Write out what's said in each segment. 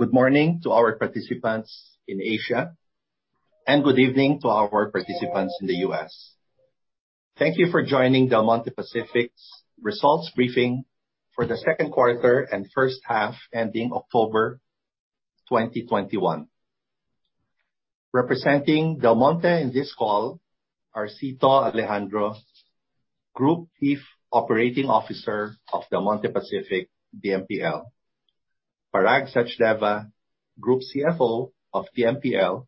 Good morning to our participants in Asia, and good evening to our participants in the U.S. Thank you for joining Del Monte Pacific's results briefing for the Q2 and first half ending October 2021. Representing Del Monte in this call are Cito Alejandro, Group Chief Operating Officer of Del Monte Pacific, DMPL. Parag Sachdeva, Group CFO of DMPL.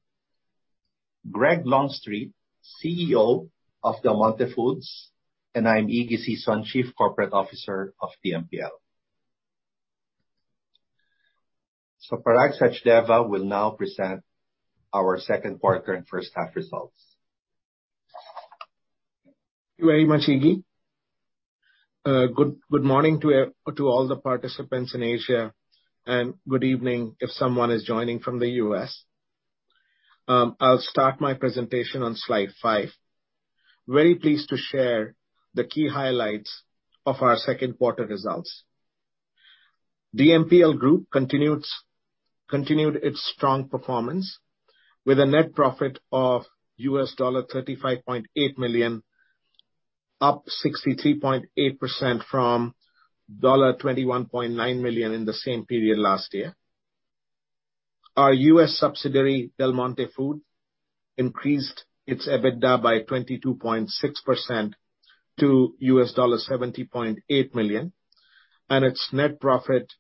Greg Longstreet, CEO of Del Monte Foods, and I'm Iggy Sison, Chief Corporate Officer of DMPL. Parag Sachdeva will now present our Q2 and first half results. Thank you very much, Iggy. Good morning to all the participants in Asia, and good evening if someone is joining from the U.S. I'll start my presentation on Slide 5. Very pleased to share the key highlights of our Q2 results. DMPL Group continued its strong performance with a net profit of $35.8 million, up 63.8% from $21.9 million in the same period last year. Our U.S. subsidiary, Del Monte Foods, increased its EBITDA by 22.6% to $70.8 million, and its net profit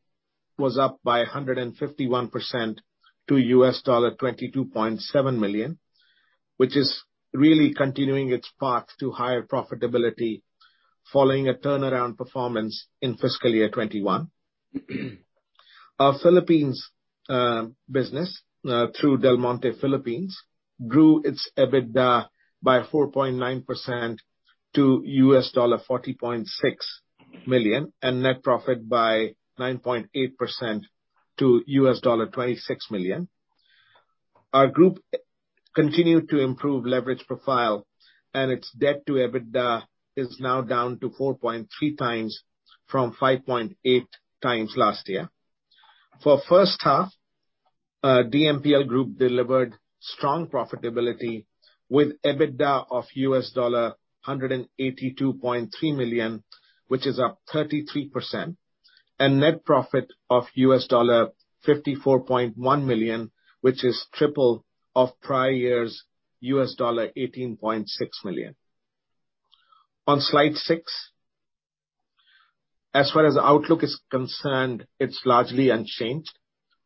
was up by 151% to $22.7 million, which is really continuing its path to higher profitability following a turnaround performance in fiscal year 2021. Our Philippines business through Del Monte Philippines grew its EBITDA by 4.9% to $40.6 million, and net profit by 9.8% to $26 million. Our group continued to improve leverage profile, and its debt to EBITDA is now down to 4.3x from 5.8x last year. For the first half, DMPL Group delivered strong profitability with EBITDA of $182.3 million, which is up 33%. Net profit of $54.1 million, which is triple of prior year's $18.6 million. On Slide 6, as far as outlook is concerned, it's largely unchanged.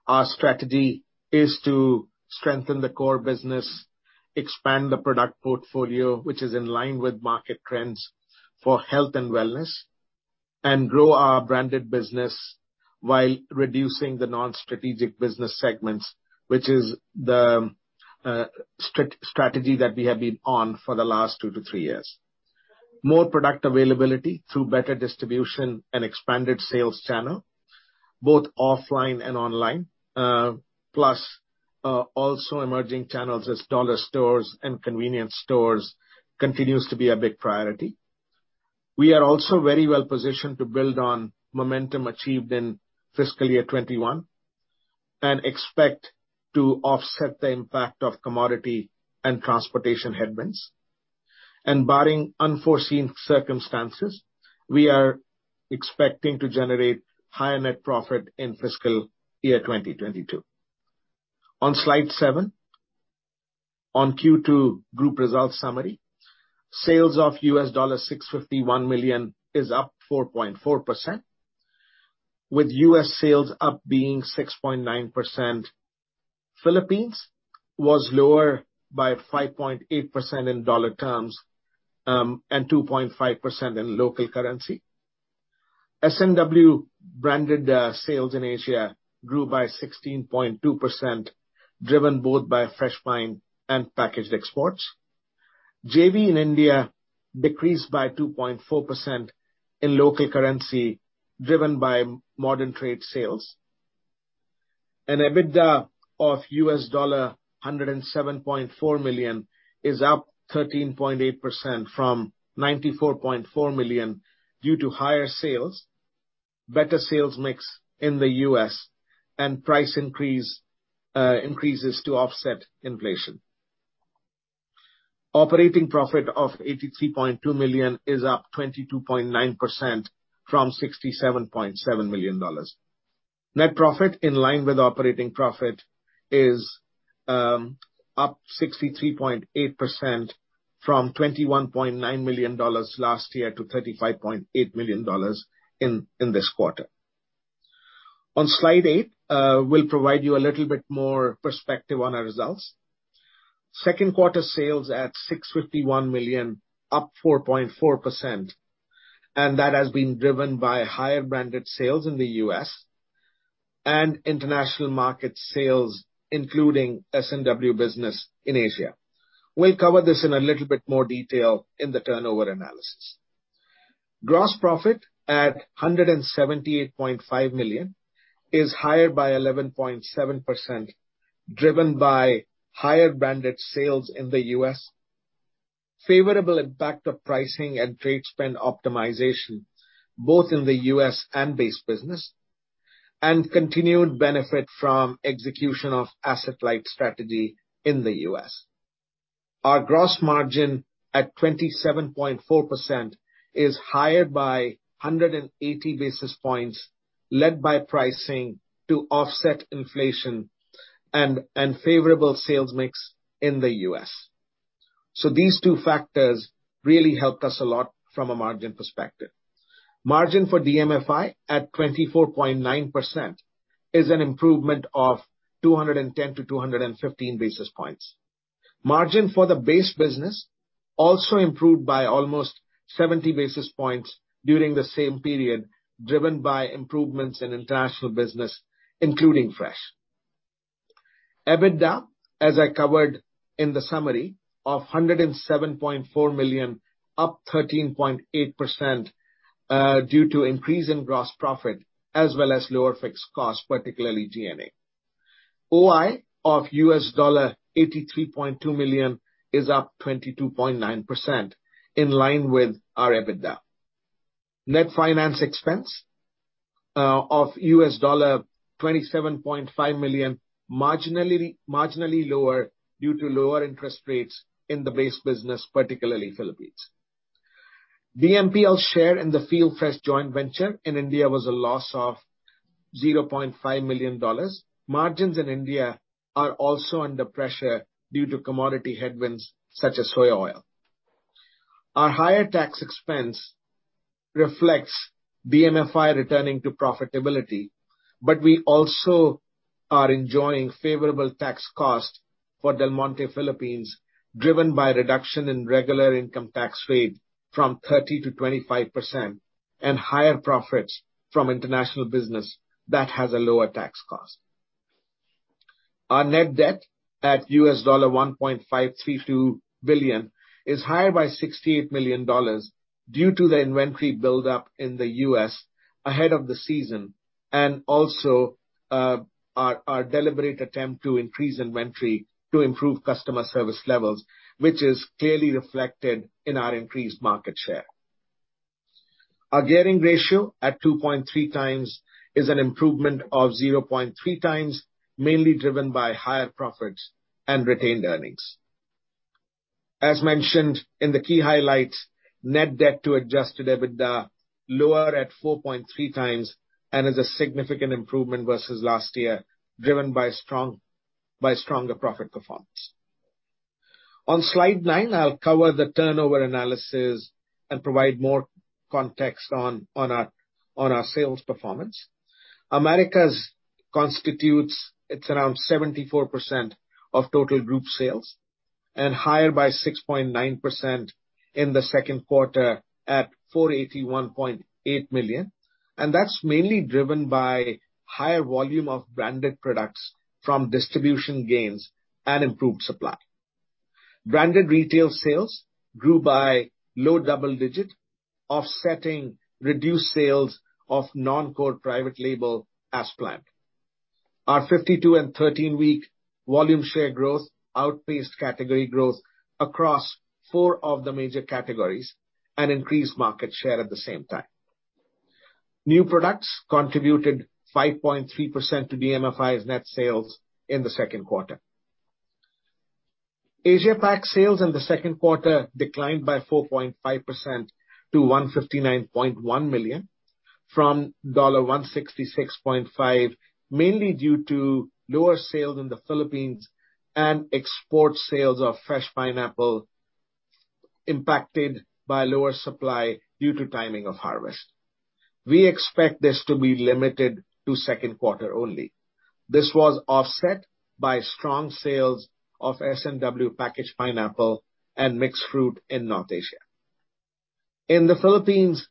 Our strategy is to strengthen the core business, expand the product portfolio, which is in line with market trends for health and wellness, and grow our branded business while reducing the non-strategic business segments, which is the strategy that we have been on for the last 2 to 3 years. More product availability through better distribution and expanded sales channel, both offline and online, plus also emerging channels as dollar stores and convenience stores continues to be a big priority. We are also very well-positioned to build on momentum achieved in fiscal year 2021, and expect to offset the impact of commodity and transportation headwinds. Barring unforeseen circumstances, we are expecting to generate higher net profit in fiscal year 2022. On Slide 7, on Q2 group results summary. Sales of $651 million is up 4.4%, with U.S. sales up 6.9%. Philippines was lower by 5.8% in dollar terms, and 2.5% in local currency. S&W branded sales in Asia grew by 16.2%, driven both by fresh pineapple and packaged exports. JV in India decreased by 2.4% in local currency, driven by modern trade sales. An EBITDA of $107.4 million is up 13.8% from $94.4 million due to higher sales, better sales mix in the U.S., and price increases to offset inflation. Operating profit of $83.2 million is up 22.9% from $67.7 million. Net profit in line with operating profit is up 63.8% from $21.9 million last year to $35.8 million in this quarter. On Slide 8, we'll provide you a little bit more perspective on our results. Q2 sales at $651 million, up 4.4%, and that has been driven by higher branded sales in the U.S. and international market sales, including S&W business in Asia. We'll cover this in a little bit more detail in the turnover analysis. Gross profit at $178.5 million is higher by 11.7%, driven by higher branded sales in the U.S., favorable impact of pricing and trade spend optimization, both in the U.S. and base business, and continued benefit from execution of asset-light strategy in the U.S. Our gross margin at 27.4% is higher by 180 basis points, led by pricing to offset inflation and favorable sales mix in the U.S. These two factors really helped us a lot from a margin perspective. Margin for DMFI at 24.9% is an improvement of 210-215 basis points. Margin for the base business also improved by almost 70 basis points during the same period, driven by improvements in international business, including fresh. EBITDA, as I covered in the summary, of $107.4 million, up 13.8%, due to increase in gross profit as well as lower fixed costs, particularly G&A. OI of $83.2 million is up 22.9% in line with our EBITDA. Net finance expense of $27.5 million, marginally lower due to lower interest rates in the base business, particularly Philippines. DMPL share in the FieldFresh joint venture in India was a loss of $0.5 million. Margins in India are also under pressure due to commodity headwinds such as soy oil. Our higher tax expense reflects DMFI returning to profitability, but we also are enjoying favorable tax costs for Del Monte Philippines, driven by reduction in regular income tax rate from 30% to 25% and higher profits from international business that has a lower tax cost. Our net debt at $1.532 billion is higher by $68 million due to the inventory buildup in the U.S. ahead of the season. Also, our deliberate attempt to increase inventory to improve customer service levels, which is clearly reflected in our increased market share. Our gearing ratio at 2.3x is an improvement of 0.3x, mainly driven by higher profits and retained earnings. As mentioned in the key highlights, net debt to adjusted EBITDA lower at 4.3x and is a significant improvement versus last year, driven by stronger profit performance. On Slide 9, I'll cover the turnover analysis and provide more context on our sales performance. Americas constitutes, it's around 74% of total group sales and higher by 6.9% in the Q2 at $481.8 million. That's mainly driven by higher volume of branded products from distribution gains and improved supply. Branded retail sales grew by low double-digit, offsetting reduced sales of non-core private label as planned. Our 52- and 13-week volume share growth outpaced category growth across four of the major categories and increased market share at the same time. New products contributed 5.3% to DMFI's net sales in the Q2. Asia Pac sales in the Q2 declined by 4.5% to $159.1 million from $166.5 million, mainly due to lower sales in the Philippines and export sales of fresh pineapple impacted by lower supply due to timing of harvest. We expect this to be limited to Q2 only. This was offset by strong sales of S&W packaged pineapple and mixed fruit in North Asia. In the Philippines,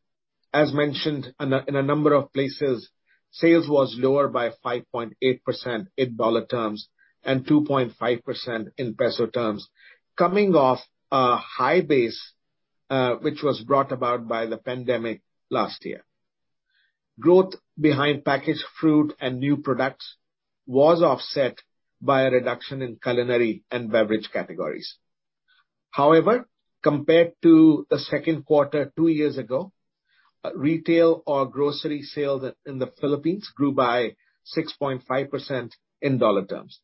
as mentioned in a number of places, sales was lower by 5.8% in dollar terms and 2.5% in peso terms, coming off a high base, which was brought about by the pandemic last year. Growth behind packaged fruit and new products was offset by a reduction in culinary and beverage categories. However, compared to the Q2 two years ago, retail or grocery sales in the Philippines grew by 6.5% in dollar terms.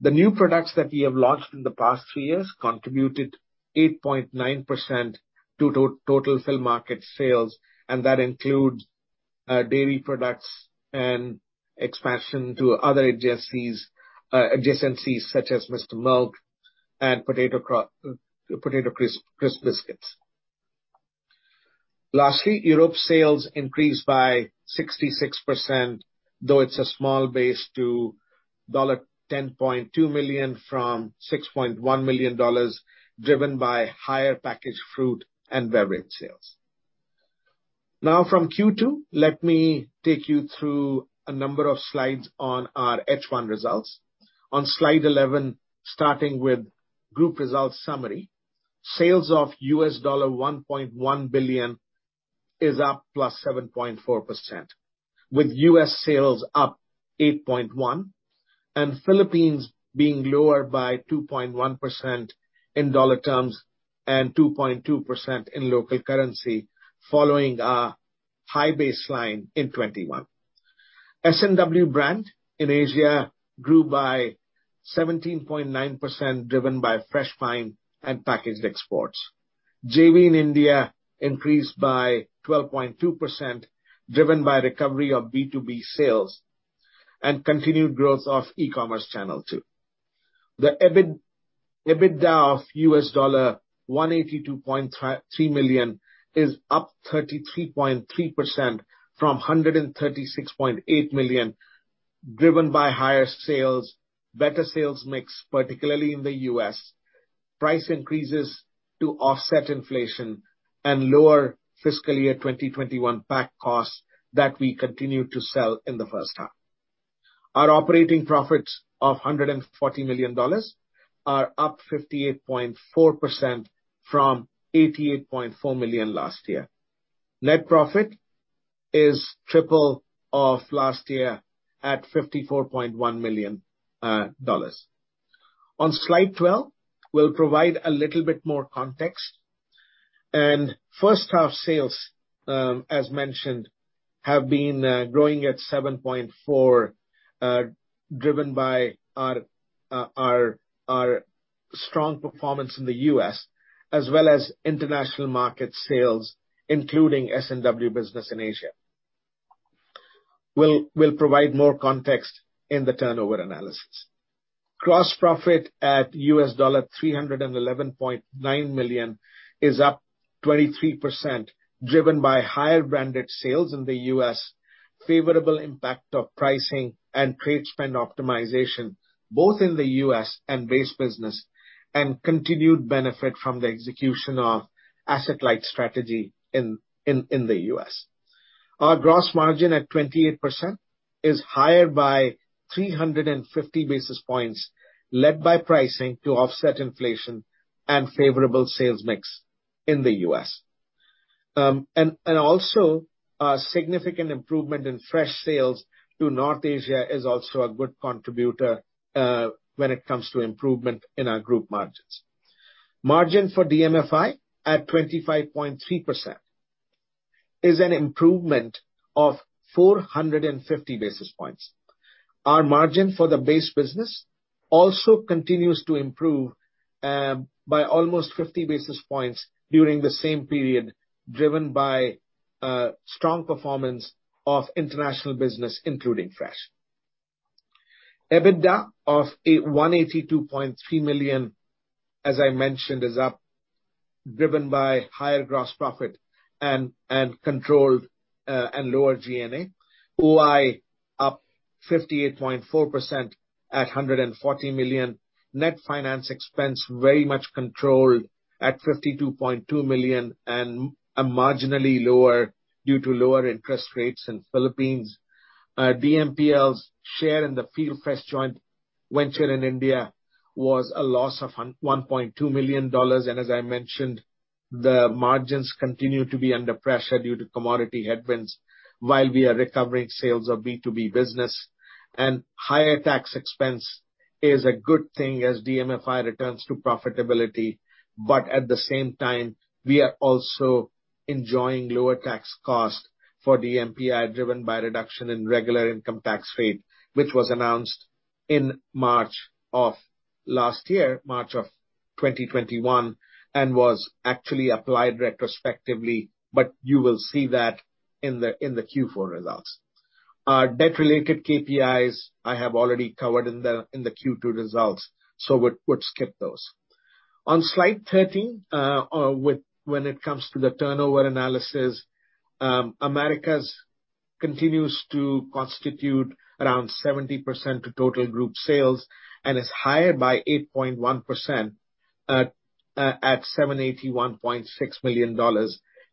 The new products that we have launched in the past three years contributed 8.9% to total sales market sales, and that includes dairy products and expansion to other adjacencies such as Mr. Milk and Potato Crisp biscuits. Lastly, Europe sales increased by 66%, though it's a small base to $10.2 million from $6.1 million, driven by higher packaged fruit and beverage sales. Now from Q2, let me take you through a number of slides on our H1 results. On Slide 11, starting with group results summary. Sales of $1.1 billion is up +7.4%, with U.S. sales up 8.1%, and Philippines being lower by 2.1% in dollar terms and 2.2% in local currency following a high baseline in 2021. S&W brand in Asia grew by 17.9%, driven by fresh pineapple and packaged exports. JV in India increased by 12.2%, driven by recovery of B2B sales and continued growth of e-commerce channel too. The EBITDA of $182.3 million is up 33.3% from $136.8 million, driven by higher sales, better sales mix, particularly in the U.S., price increases to offset inflation and lower fiscal year 2021 pack costs that we continued to sell in the first half. Our operating profits of $140 million are up 58.4% from $88.4 million last year. Net profit is triple of last year at $54.1 million. On Slide 12, we'll provide a little bit more context. First half sales, as mentioned, have been growing at 7.4%, driven by our strong performance in the U.S. as well as international market sales, including S&W business in Asia. We'll provide more context in the turnover analysis. Gross profit at $311.9 million is up 23%, driven by higher branded sales in the U.S., favorable impact of pricing and trade spend optimization, both in the U.S. and base business, and continued benefit from the execution of asset-light strategy in the U.S. Our gross margin at 28% is higher by 350 basis points, led by pricing to offset inflation and favorable sales mix in the U.S. Also, a significant improvement in fresh sales to North Asia is also a good contributor when it comes to improvement in our group margins. Margin for DMFI at 25.3% is an improvement of 450 basis points. Our margin for the base business also continues to improve by almost 50 basis points during the same period, driven by strong performance of international business, including fresh. EBITDA of $182.3 million, as I mentioned, is up, driven by higher gross profit and controlled and lower G&A. OI up 58.4% at $140 million. Net finance expense very much controlled at $52.2 million and marginally lower due to lower interest rates in Philippines. DMPL's share in the FieldFresh joint venture in India was a loss of $1.2 million. As I mentioned, the margins continue to be under pressure due to commodity headwinds while we are recovering sales of B2B business. Higher tax expense is a good thing as DMFI returns to profitability. At the same time, we are also enjoying lower tax costs for DMPI, driven by reduction in regular income tax rate, which was announced in March of last year, March 2021, and was actually applied retrospectively, but you will see that in the Q4 results. Our debt-related KPIs I have already covered in the Q2 results, so we'll skip those. On Slide 13, when it comes to the turnover analysis, Americas continues to constitute around 70% of total group sales and is higher by 8.1% at $781.6 million,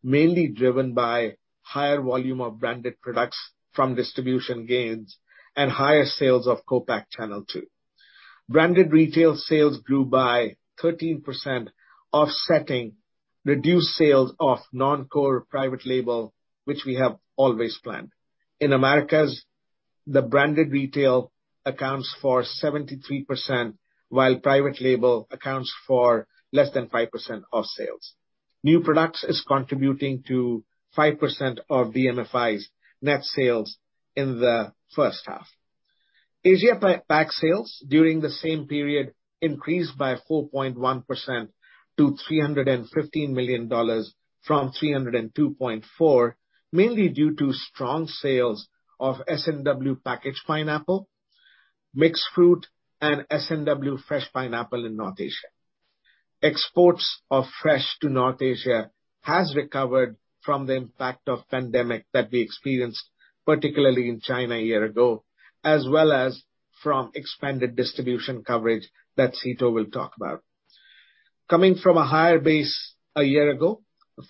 mainly driven by higher volume of branded products from distribution gains and higher sales of co-pack channel too. Branded retail sales grew by 13%, offsetting reduced sales of non-core private label, which we have always planned. In the Americas, the branded retail accounts for 73%, while private label accounts for less than 5% of sales. New products is contributing to 5% of DMFI's net sales in the first half. Asia Pacific sales during the same period increased by 4.1% to $315 million from $302.4 million, mainly due to strong sales of S&W packaged pineapple, mixed fruit, and S&W fresh pineapple in North Asia. Exports of fresh to North Asia has recovered from the impact of pandemic that we experienced, particularly in China a year ago, as well as from expanded distribution coverage that Cito will talk about. Coming from a higher base a year ago,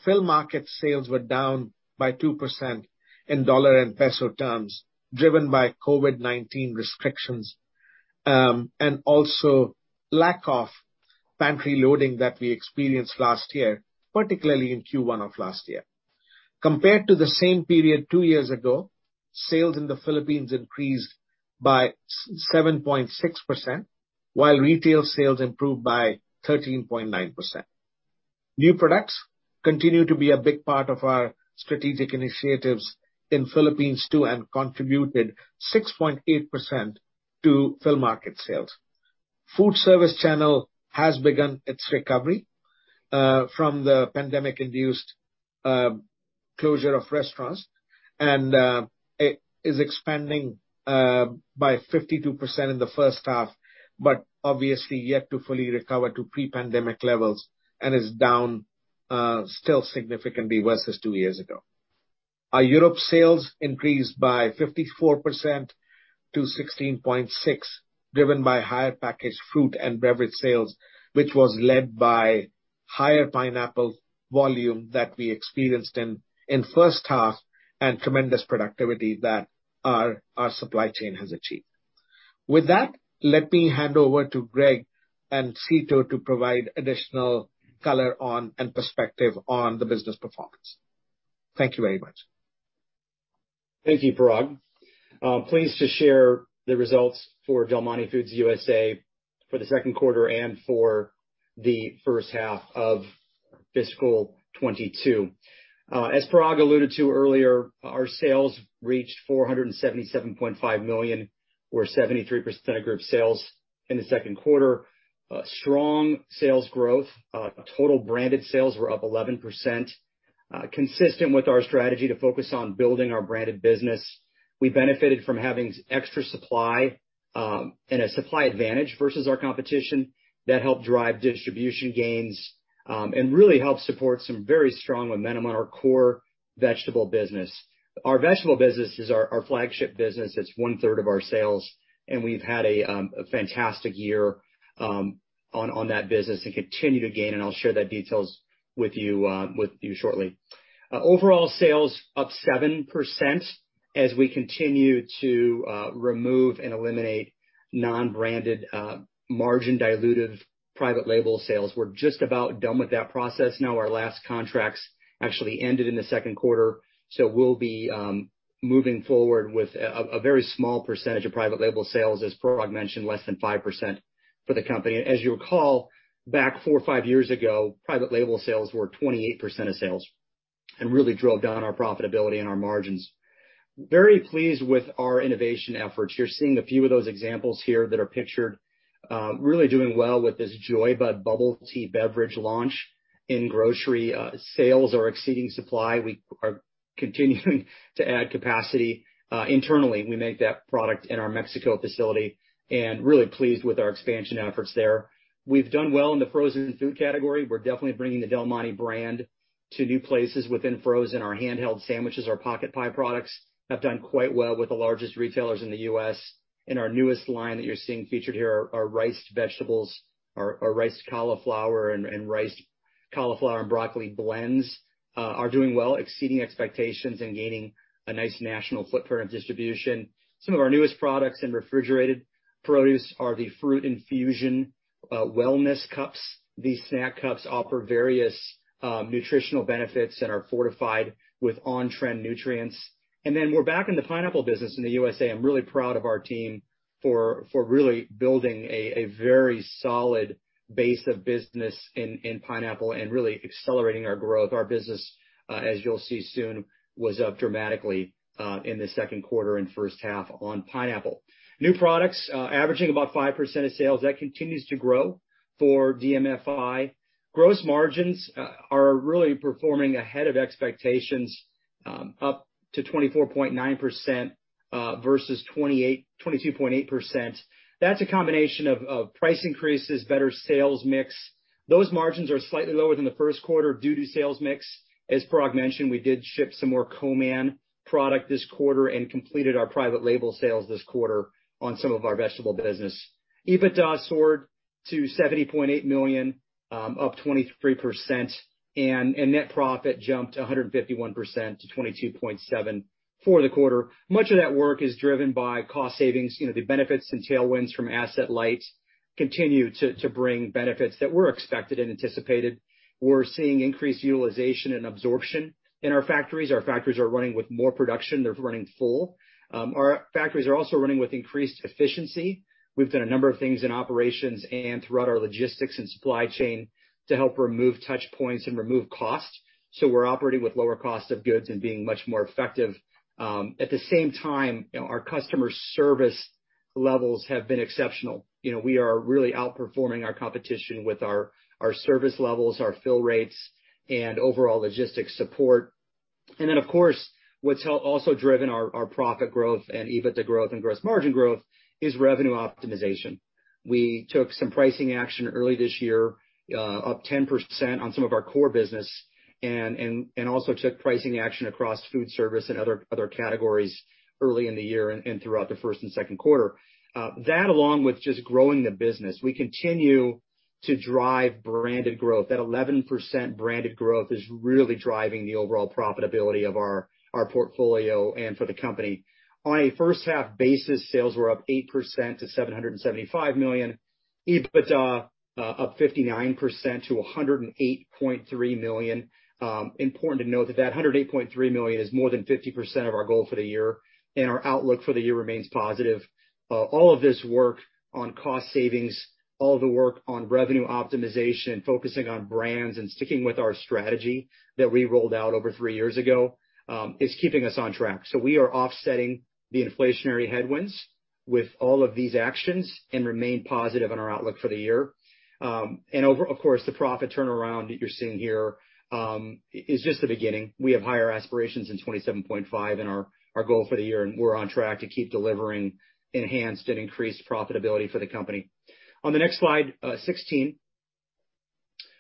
Phil market sales were down by 2% in dollar and peso terms, driven by COVID-19 restrictions, and also lack of pantry loading that we experienced last year, particularly in Q1 of last year. Compared to the same period two years ago, sales in the Philippines increased by 7.6%, while retail sales improved by 13.9%. New products continue to be a big part of our strategic initiatives in Philippines too, and contributed 6.8% to Phil market sales. Food service channel has begun its recovery from the pandemic-induced closure of restaurants and it is expanding by 52% in the first half, but obviously yet to fully recover to pre-pandemic levels and is down still significantly worse than two years ago. Our Europe sales increased by 54% to $16.6, driven by higher packaged fruit and beverage sales, which was led by higher pineapple volume that we experienced in first half and tremendous productivity that our supply chain has achieved. With that, let me hand over to Greg and Cito to provide additional color on and perspective on the business performance. Thank you very much. Thank you, Parag. Pleased to share the results for Del Monte Foods, USA for the Q2 and for the first half of fiscal 2022. As Parag alluded to earlier, our sales reached $477.5 million, or 73% of group sales in the Q2. Strong sales growth. Total branded sales were up 11%. Consistent with our strategy to focus on building our branded business, we benefited from having extra supply and a supply advantage versus our competition that helped drive distribution gains and really helped support some very strong momentum on our core vegetable business. Our vegetable business is our flagship business. It's 1/3 of our sales, and we've had a fantastic year on that business and continue to gain, and I'll share those details with you shortly. Overall sales up 7% as we continue to remove and eliminate non-branded, margin-dilutive private label sales. We're just about done with that process now. Our last contracts actually ended in the Q2. We'll be moving forward with a very small percentage of private label sales, as Parag mentioned, less than 5% for the company. As you'll recall, back four or five years ago, private label sales were 28% of sales and really drove down our profitability and our margins. Very pleased with our innovation efforts. You're seeing a few of those examples here that are pictured. Really doing well with this Joyba bubble tea beverage launch in grocery. Sales are exceeding supply. We are continuing to add capacity. Internally, we make that product in our Mexico facility, and really pleased with our expansion efforts there. We've done well in the frozen food category. We're definitely bringing the Del Monte brand to new places within frozen. Our handheld sandwiches, our pocket pie products, have done quite well with the largest retailers in the U.S. Our newest line that you're seeing featured here are riced vegetables, riced cauliflower and broccoli blends are doing well, exceeding expectations and gaining a nice national footprint distribution. Some of our newest products in refrigerated produce are the fruit infusion wellness cups. These snack cups offer various nutritional benefits and are fortified with on-trend nutrients. Then we're back in the pineapple business in the U.S. I'm really proud of our team for really building a very solid base of business in pineapple and really accelerating our growth. Our business, as you'll see soon, was up dramatically in the Q2 and first half on pineapple. New products averaging about 5% of sales. That continues to grow for DMFI. Gross margins are really performing ahead of expectations, up to 24.9%, versus 22.8%. That's a combination of price increases, better sales mix. Those margins are slightly lower than the Q1 due to sales mix. As Parag mentioned, we did ship some more co-man product this quarter and completed our private label sales this quarter on some of our vegetable business. EBITDA soared to $70.8 million, up 23%. And net profit jumped 151% to $22.7 for the quarter. Much of that work is driven by cost savings. You know, the benefits and tailwinds from asset-light continue to bring benefits that were expected and anticipated. We're seeing increased utilization and absorption in our factories. Our factories are running with more production. They're running full. Our factories are also running with increased efficiency. We've done a number of things in operations and throughout our logistics and supply chain to help remove touch points and remove costs. We're operating with lower cost of goods and being much more effective. At the same time, you know, our customer service levels have been exceptional. You know, we are really outperforming our competition with our service levels, our fill rates, and overall logistics support. Of course, what's also driven our profit growth and EBITDA growth and gross margin growth is revenue optimization. We took some pricing action early this year, up 10% on some of our core business and also took pricing action across food service and other categories early in the year and throughout the first and Q2. That, along with just growing the business, we continue to drive branded growth. That 11% branded growth is really driving the overall profitability of our portfolio and for the company. On a first half basis, sales were up 8% to $775 million. EBITDA up 59% to $108.3 million. Important to note that $108.3 million is more than 50% of our goal for the year, and our outlook for the year remains positive. All of this work on cost savings, all the work on revenue optimization, focusing on brands and sticking with our strategy that we rolled out over three years ago, is keeping us on track. We are offsetting the inflationary headwinds with all of these actions and remain positive in our outlook for the year. Of course, the profit turnaround that you're seeing here is just the beginning. We have higher aspirations in 27.5 in our goal for the year, and we're on track to keep delivering enhanced and increased profitability for the company. On the next Slide 16,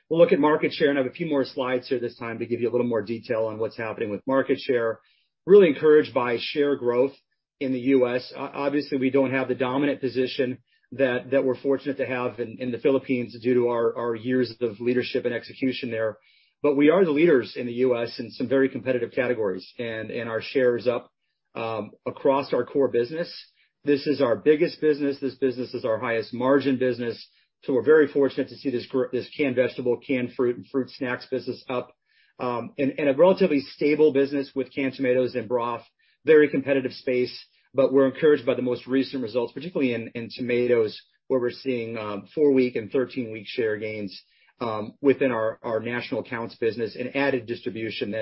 we'll look at market share. I have a few more slides here this time to give you a little more detail on what's happening with market share. I'm really encouraged by share growth in the U.S. Obviously, we don't have the dominant position that we're fortunate to have in the Philippines due to our years of leadership and execution there. We are the leaders in the U.S. in some very competitive categories. Our share is up across our core business. This is our biggest business. This business is our highest margin business. We're very fortunate to see this canned vegetable, canned fruit, and fruit snacks business up in a relatively stable business with canned tomatoes and broth, very competitive space, but we're encouraged by the most recent results, particularly in tomatoes, where we're seeing four-week and 13-week share gains within our national accounts business and added distribution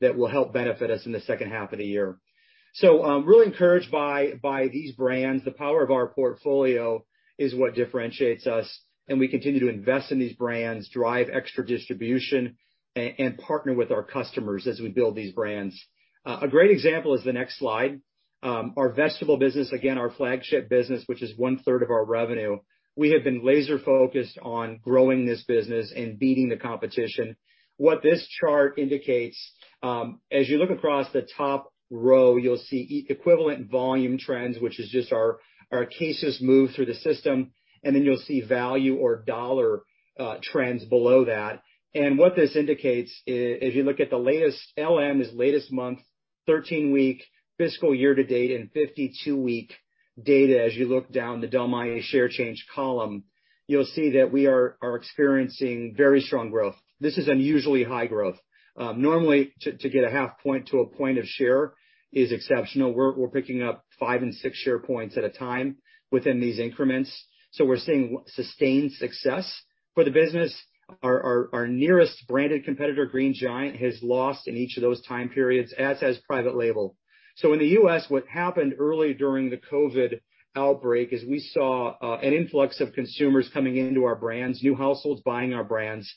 that will help benefit us in the second half of the year. Really encouraged by these brands. The power of our portfolio is what differentiates us, and we continue to invest in these brands, drive extra distribution, and partner with our customers as we build these brands. A great example is the next slide. Our vegetable business, again, our flagship business, which is 1/3 of our revenue. We have been laser focused on growing this business and beating the competition. What this chart indicates, as you look across the top row, you'll see equivalent volume trends, which is just our cases move through the system, and then you'll see value or dollar trends below that. What this indicates if you look at the latest LM, is latest month, 13-week fiscal year to date and 52-week data as you look down the Del Monte share change column, you'll see that we are experiencing very strong growth. This is unusually high growth. Normally to get 0.5 to one point of share is exceptional. We're picking up five and six share points at a time within these increments. We're seeing sustained success for the business. Our nearest branded competitor, Green Giant, has lost in each of those time periods, as has private label. In the U.S., what happened early during the COVID outbreak is we saw an influx of consumers coming into our brands, new households buying our brands,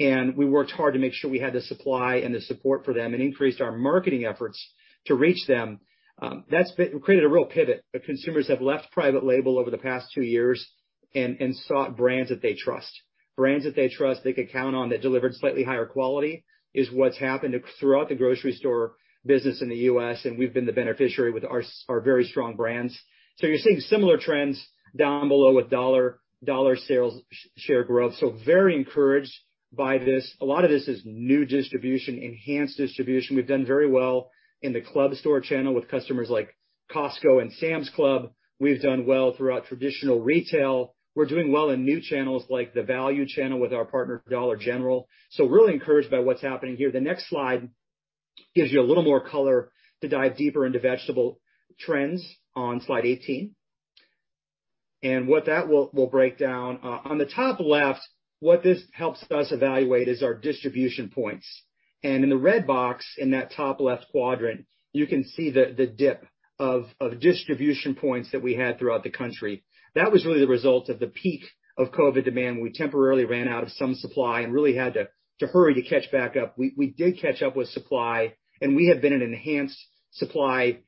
and we worked hard to make sure we had the supply and the support for them and increased our marketing efforts to reach them. That's created a real pivot. The consumers have left private label over the past two years and sought brands that they trust. Brands that they trust, they could count on, that delivered slightly higher quality is what's happened throughout the grocery store business in the U.S., and we've been the beneficiary with our our very strong brands. You're seeing similar trends down below with dollar sales share growth, so very encouraged by this. A lot of this is new distribution, enhanced distribution. We've done very well in the club store channel with customers like Costco and Sam's Club. We've done well throughout traditional retail. We're doing well in new channels like the value channel with our partner, Dollar General. Really encouraged by what's happening here. The next slide gives you a little more color to dive deeper into vegetable trends on Slide 18. What that will break down on the top left, what this helps us evaluate is our distribution points. In the red box in that top left quadrant, you can see the dip of distribution points that we had throughout the country. That was really the result of the peak of COVID demand when we temporarily ran out of some supply and really had to hurry to catch back up. We did catch up with supply and we have been in an enhanced supply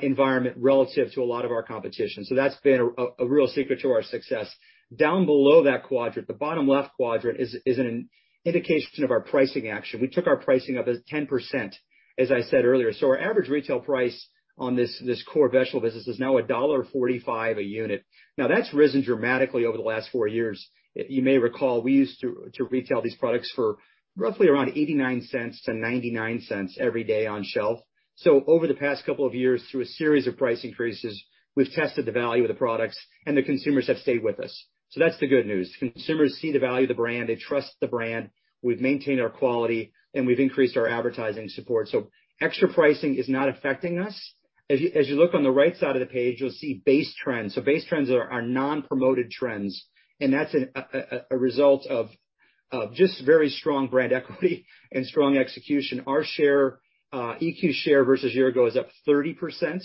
environment relative to a lot of our competition. That's been a real secret to our success. Down below that quadrant, the bottom left quadrant is an indication of our pricing action. We took our pricing up by 10%, as I said earlier. Our average retail price on this core vegetable business is now $1.45 a unit. That's risen dramatically over the last four years. You may recall we used to retail these products for roughly around $0.89-$0.99 every day on shelf. Over the past couple of years, through a series of price increases, we've tested the value of the products and the consumers have stayed with us. That's the good news. Consumers see the value of the brand, they trust the brand, we've maintained our quality, and we've increased our advertising support. Extra pricing is not affecting us. As you look on the right side of the page, you'll see base trends. Base trends are non-promoted trends and that's a result of just very strong brand equity and strong execution. Our share, EQ share versus year ago is up 30%.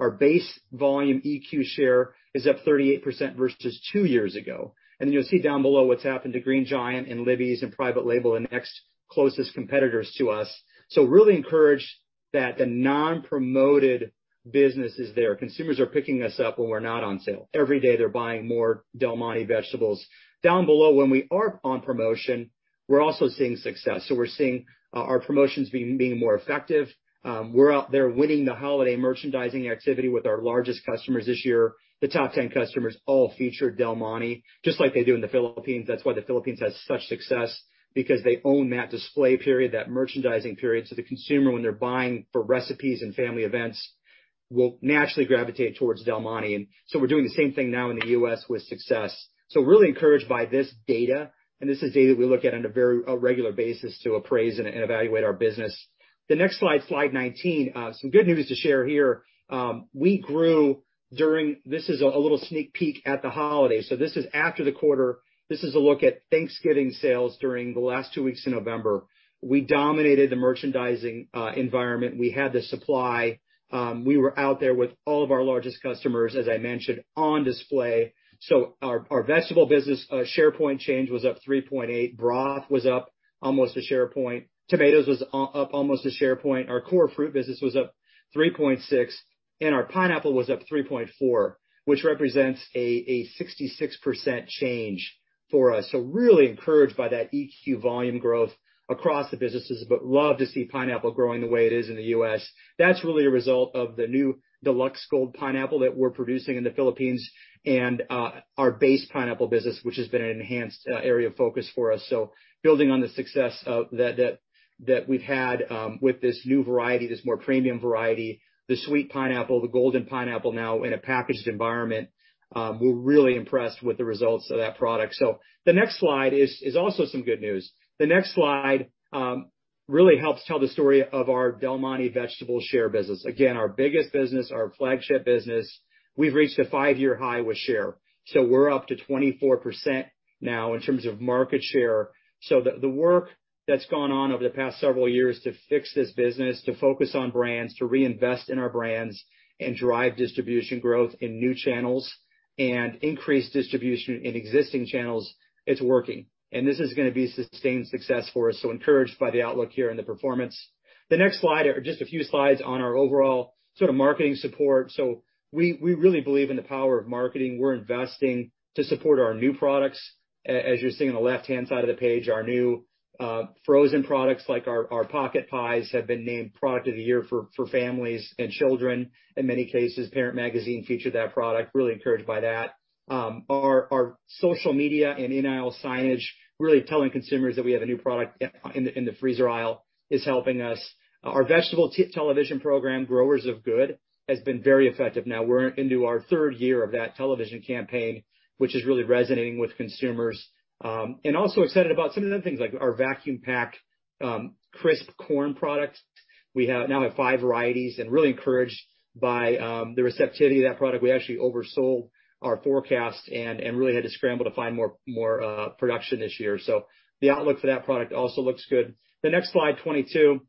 Our base volume EQ share is up 38% versus two years ago. You'll see down below what's happened to Green Giant and Libby's and private label and next closest competitors to us. Really encouraged that the non-promoted business is there. Consumers are picking us up when we're not on sale. Every day they're buying more Del Monte vegetables. Down below when we are on promotion, we're also seeing success. We're seeing our promotions being more effective. We're out there winning the holiday merchandising activity with our largest customers this year. The top 10 customers all feature Del Monte, just like they do in the Philippines. That's why the Philippines has such success because they own that display period, that merchandising period. The consumer when they're buying for recipes and family events will naturally gravitate towards Del Monte. We're doing the same thing now in the U.S. with success. Really encouraged by this data, and this is data we look at on a very regular basis to appraise and evaluate our business. The next Slide 19, some good news to share here. This is a little sneak peek at the holidays. This is after the quarter. This is a look at Thanksgiving sales during the last two weeks in November. We dominated the merchandising environment. We had the supply. We were out there with all of our largest customers, as I mentioned, on display. Our vegetable business share point change was up 3.8. Broth was up almost a share point. Tomatoes was up almost a share point. Our core fruit business was up 3.6, and our pineapple was up 3.4, which represents a 66% change for us. Really encouraged by that EQ volume growth across the businesses, but love to see pineapple growing the way it is in the U.S. That's really a result of the new Deluxe Gold pineapple that we're producing in the Philippines and our base pineapple business, which has been an enhanced area of focus for us. Building on the success of that we've had with this new variety, this more premium variety, the sweet pineapple, the golden pineapple, now in a packaged environment, we're really impressed with the results of that product. The next slide is also some good news. The next slide really helps tell the story of our Del Monte vegetable share business. Again, our biggest business, our flagship business. We've reached a five-year high with share. We're up to 24% now in terms of market share. The work that's gone on over the past several years to fix this business, to focus on brands, to reinvest in our brands and drive distribution growth in new channels and increase distribution in existing channels, it's working. This is gonna be a sustained success for us. Encouraged by the outlook here and the performance. The next slide are just a few slides on our overall sort of marketing support. We really believe in the power of marketing. We're investing to support our new products. As you're seeing on the left-hand side of the page, our new frozen products, like our pocket pies, have been named Product of the Year for families and children. In many cases, Parents Magazine featured that product. Really encouraged by that. Our social media and in-aisle signage, really telling consumers that we have a new product in the freezer aisle is helping us. Our vegetable television program, Growers of Good, has been very effective. Now we're into our third year of that television campaign, which is really resonating with consumers. Also excited about some of the other things, like our vacuum-packed crisp corn product. We now have five varieties and really encouraged by the receptivity of that product. We actually oversold our forecast and really had to scramble to find more production this year. So the outlook for that product also looks good. The next Slide, 22,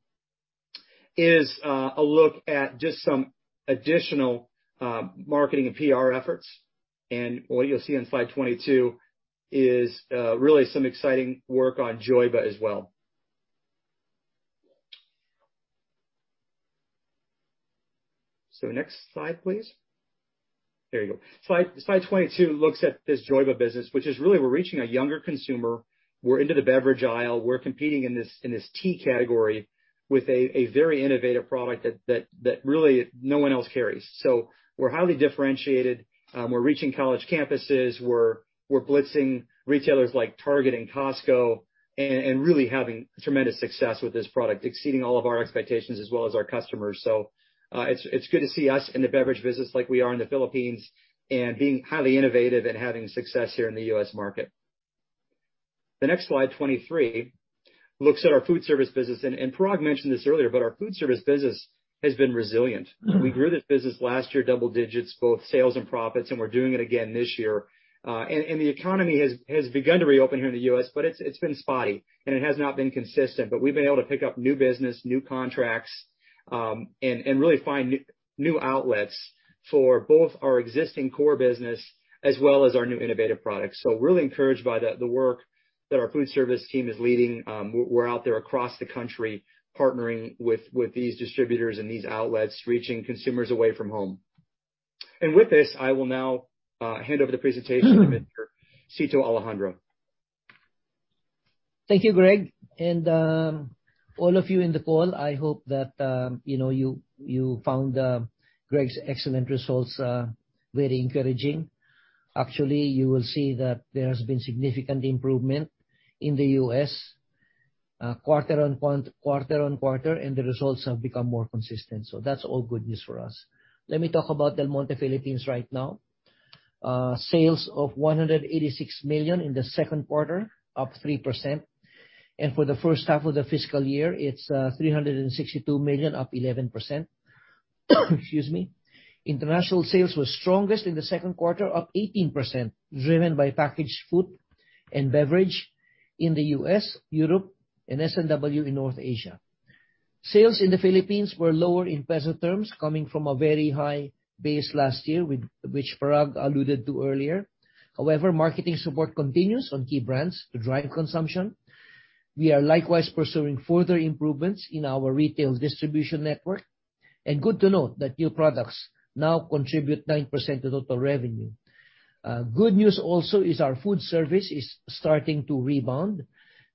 is a look at just some additional marketing and PR efforts. What you'll see on Slide 22 is really some exciting work on Joyba as well. Next slide, please. There you go. Slide 22 looks at this Joyba business, which is really we're reaching a younger consumer. We're into the beverage aisle. We're competing in this tea category with a very innovative product that really no one else carries. We're highly differentiated. We're reaching college campuses. We're blitzing retailers like Target and Costco and really having tremendous success with this product, exceeding all of our expectations as well as our customers. It's good to see us in the beverage business like we are in the Philippines and being highly innovative and having success here in the U.S. market. The next Slide 23, looks at our food service business. Parag mentioned this earlier, but our food service business has been resilient. We grew this business last year, double digits, both sales and profits, and we're doing it again this year. The economy has begun to reopen here in the U.S., but it's been spotty and it has not been consistent. We've been able to pick up new business, new contracts, and really find new outlets for both our existing core business as well as our new innovative products. I'm really encouraged by the work that our food service team is leading. We're out there across the country partnering with these distributors and these outlets, reaching consumers away from home. With this, I will now hand over the presentation to Mr. Cito Alejandro. Thank you, Greg. All of you in the call, I hope that you know you found Greg's excellent results very encouraging. Actually, you will see that there has been significant improvement in the U.S., quarter-on-quarter, and the results have become more consistent. That's all good news for us. Let me talk about Del Monte Philippines right now. Sales of $186 million in the Q2, up 3%. For the first half of the fiscal year, it's $362 million, up 11%. Excuse me. International sales was strongest in the Q2, up 18%, driven by packaged food and beverage in the U.S., Europe, and S&W in North Asia. Sales in the Philippines were lower in peso terms, coming from a very high base last year, with which Parag alluded to earlier. However, marketing support continues on key brands to drive consumption. We are likewise pursuing further improvements in our retail distribution network. Good to note that new products now contribute 9% to total revenue. Good news also is our food service is starting to rebound,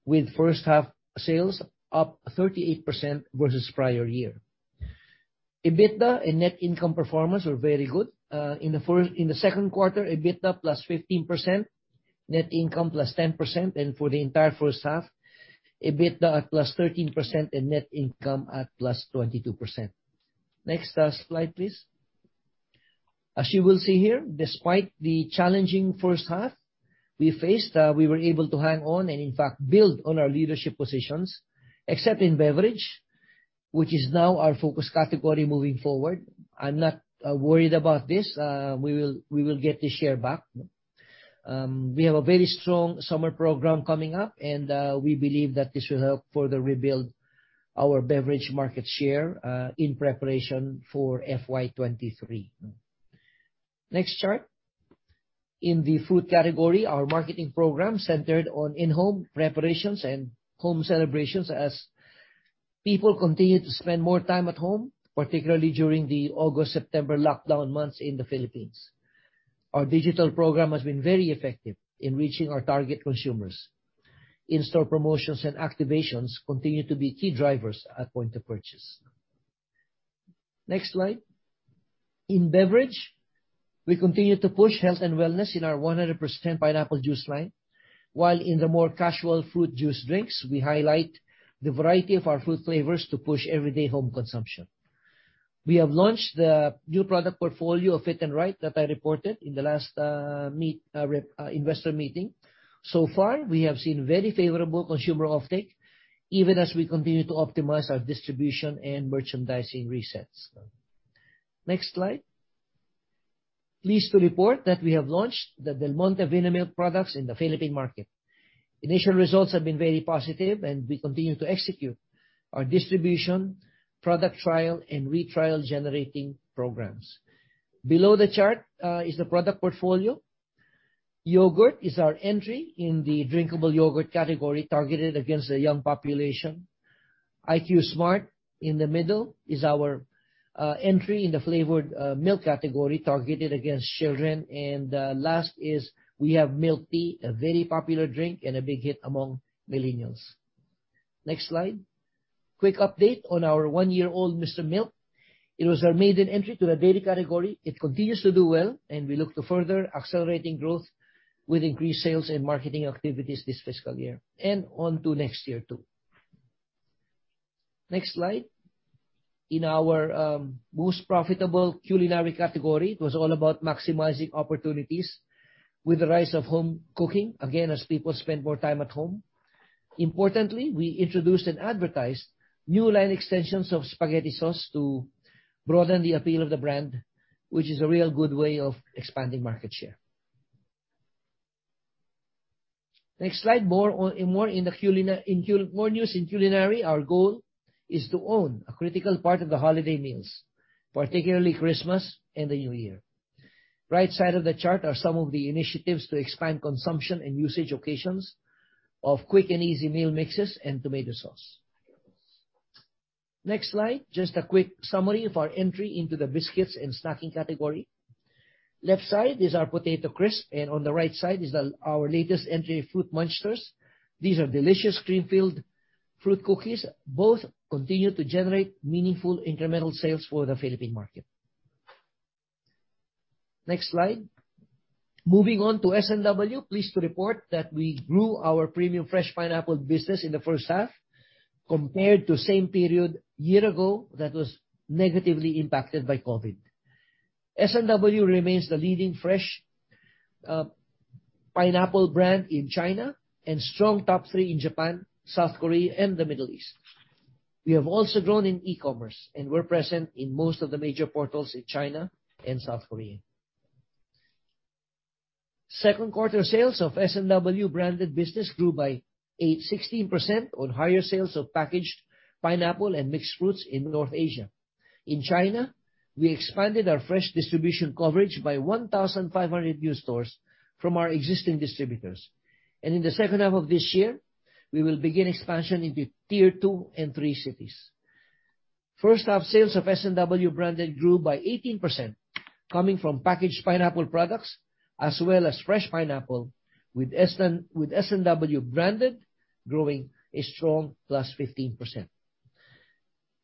with first half sales up 38% versus prior year. EBITDA and net income performance were very good. In the Q2, EBITDA +15%, net income +10%, and for the entire first half, EBITDA at +13% and net income at +22%. Next slide, please. As you will see here, despite the challenging first half we faced, we were able to hang on and in fact build on our leadership positions, except in beverage, which is now our focus category moving forward. I'm not worried about this. We will get the share back. We have a very strong summer program coming up, and we believe that this will help further rebuild our beverage market share in preparation for FY 2023. Next chart. In the food category, our marketing program centered on in-home preparations and home celebrations as people continue to spend more time at home, particularly during the August, September lockdown months in the Philippines. Our digital program has been very effective in reaching our target consumers. In-store promotions and activations continue to be key drivers at point of purchase. Next slide. In beverage, we continue to push health and wellness in our 100% pineapple juice line. While in the more casual fruit juice drinks, we highlight the variety of our fruit flavors to push everyday home consumption. We have launched the new product portfolio of Fit 'n Right that I reported in the last investor meeting. So far, we have seen very favorable consumer offtake, even as we continue to optimize our distribution and merchandising resets. Next slide. Pleased to report that we have launched the Del Monte-Vinamilk products in the Philippine market. Initial results have been very positive, and we continue to execute our distribution, product trial, and retrial generating programs. Below the chart is the product portfolio. Yogurt is our entry in the drinkable yogurt category targeted against the young population. IQ Smart, in the middle, is our entry in the flavored milk category targeted against children. Last is we have milk tea, a very popular drink and a big hit among millennials. Next slide. Quick update on our one-year-old Mr. Milk. It was our maiden entry to the dairy category. It continues to do well, and we look to further accelerating growth with increased sales and marketing activities this fiscal year, and on to next year too. Next slide. In our most profitable culinary category, it was all about maximizing opportunities with the rise of home cooking, again, as people spend more time at home. Importantly, we introduced and advertised new line extensions of spaghetti sauce to broaden the appeal of the brand, which is a real good way of expanding market share. Next slide, more news in culinary. Our goal is to own a critical part of the holiday meals, particularly Christmas and the New Year. Right side of the chart are some of the initiatives to expand consumption and usage occasions of quick and easy meal mixes and tomato sauce. Next slide, just a quick summary of our entry into the biscuits and snacking category. Left side is our Potato Crisp, and on the right side is our latest entry, Fruit Monsters. These are delicious cream-filled fruit cookies. Both continue to generate meaningful incremental sales for the Philippine market. Next slide. Moving on to S&W. Pleased to report that we grew our premium fresh pineapple business in the first half compared to the same period year ago that was negatively impacted by COVID. S&W remains the leading fresh pineapple brand in China and strong top three in Japan, South Korea, and the Middle East. We have also grown in e-commerce, and we're present in most of the major portals in China and South Korea. Q2 sales of S&W branded business grew by 16% on higher sales of packaged pineapple and mixed fruits in North Asia. In China, we expanded our fresh distribution coverage by 1,500 new stores from our existing distributors. In the second half of this year, we will begin expansion into Tier 2 and Tier 3 cities. First half sales of S&W branded grew by 18% coming from packaged pineapple products as well as fresh pineapple with S&W branded growing a strong +15%.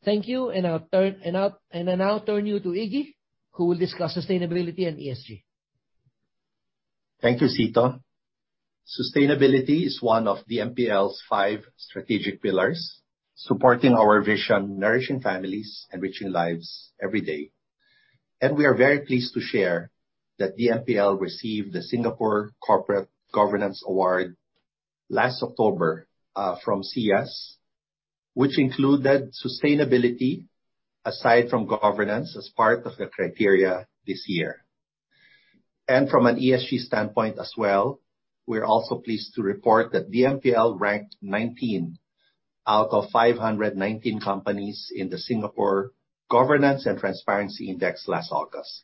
Thank you, and I now turn you to Iggy, who will discuss sustainability and ESG. Thank you, Cito. Sustainability is one of DMPL's five strategic pillars, supporting our vision, nourishing families, enriching lives every day. We are very pleased to share that DMPL received the Singapore Corporate Governance Award last October from SIAS, which included sustainability aside from governance as part of the criteria this year. From an ESG standpoint as well, we're also pleased to report that DMPL ranked 19 out of 519 companies in the Singapore Governance and Transparency Index last August.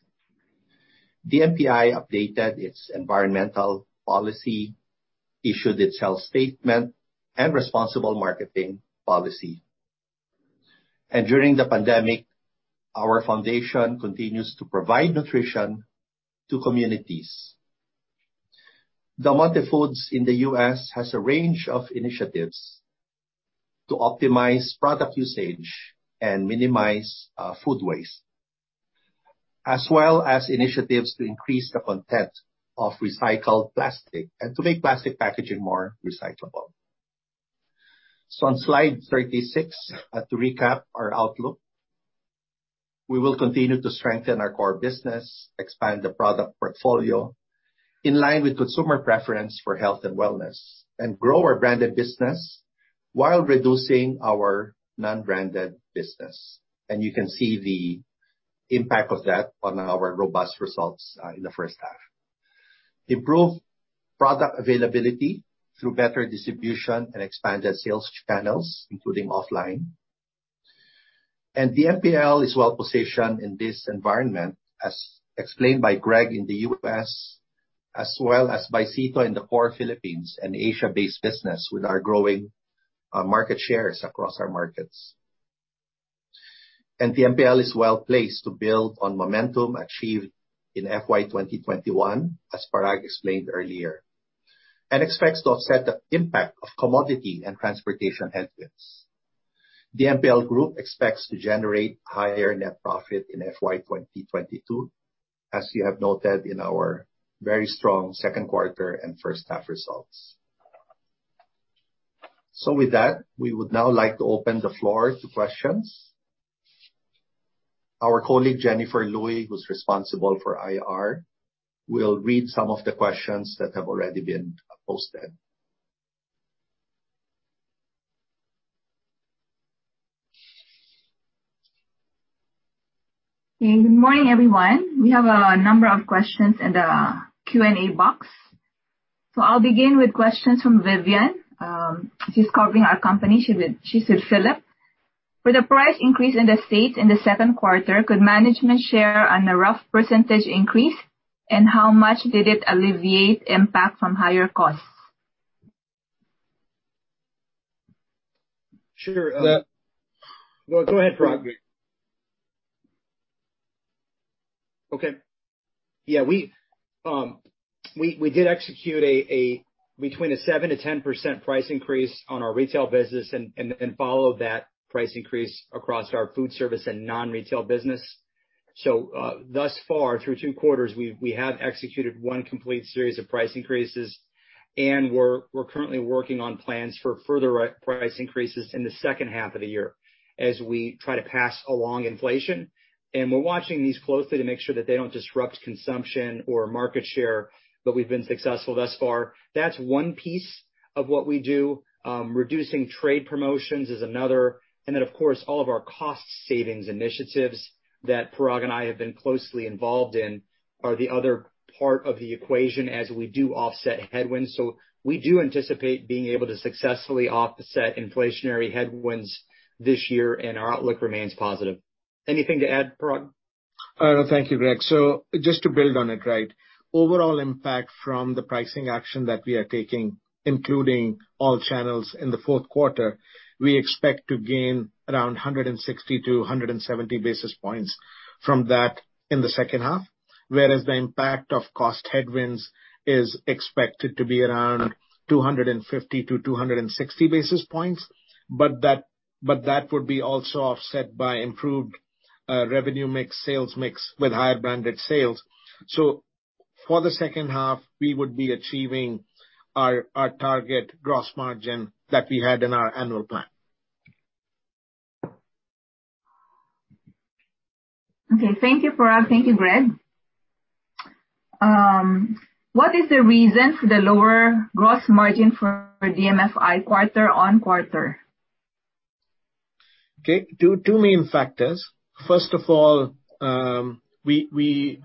DMPI updated its environmental policy, issued its health statement and responsible marketing policy. During the pandemic, our foundation continues to provide nutrition to communities. Del Monte Foods in the U.S. has a range of initiatives to optimize product usage and minimize food waste, as well as initiatives to increase the content of recycled plastic and to make plastic packaging more recyclable. On Slide 36, to recap our outlook, we will continue to strengthen our core business, expand the product portfolio in line with consumer preference for health and wellness, and grow our branded business while reducing our non-branded business. You can see the impact of that on our robust results in the first half. Improve product availability through better distribution and expanded sales channels, including offline. DMPL is well positioned in this environment, as explained by Greg in the U.S. as well as by Cito in the core Philippines and Asia-based business with our growing market shares across our markets. DMPL is well placed to build on momentum achieved in FY 2021, as Parag explained earlier, and expects to offset the impact of commodity and transportation headwinds. DMPL Group expects to generate higher net profit in FY 2022, as you have noted in our very strong Q2 and first half results. With that, we would now like to open the floor to questions. Our colleague, Jennifer Luy, who's responsible for IR, will read some of the questions that have already been posted. Good morning, everyone. We have a number of questions in the Q&A box. I'll begin with questions from Vivian. She's covering our company. She said, "Philip, with the price increase in the States in the Q2, could management share a rough percentage increase, and how much did it alleviate impact from higher costs? Sure. No, go ahead, Greg. Okay. Yeah, we did execute between a 7%-10% price increase on our retail business and followed that price increase across our food service and non-retail business. Thus far, through two quarters, we have executed 1 complete series of price increases, and we're currently working on plans for further price increases in the second half of the year as we try to pass along inflation. We're watching these closely to make sure that they don't disrupt consumption or market share, but we've been successful thus far. That's one piece of what we do. Reducing trade promotions is another. Of course, all of our cost savings initiatives that Parag and I have been closely involved in are the other part of the equation as we do offset headwinds. We do anticipate being able to successfully offset inflationary headwinds this year, and our outlook remains positive. Anything to add, Parag? No. Thank you, Greg. Just to build on it, right? Overall impact from the pricing action that we are taking, including all channels in the Q4, we expect to gain around 160-170 basis points from that in the second half, whereas the impact of cost headwinds is expected to be around 250-260 basis points. But that would be also offset by improved revenue mix, sales mix with higher branded sales. For the second half, we would be achieving our target gross margin that we had in our annual plan. Okay. Thank you, Parag. Thank you, Greg. What is the reason for the lower gross margin for DMFI quarter-over-quarter? Okay. Two main factors. First of all, we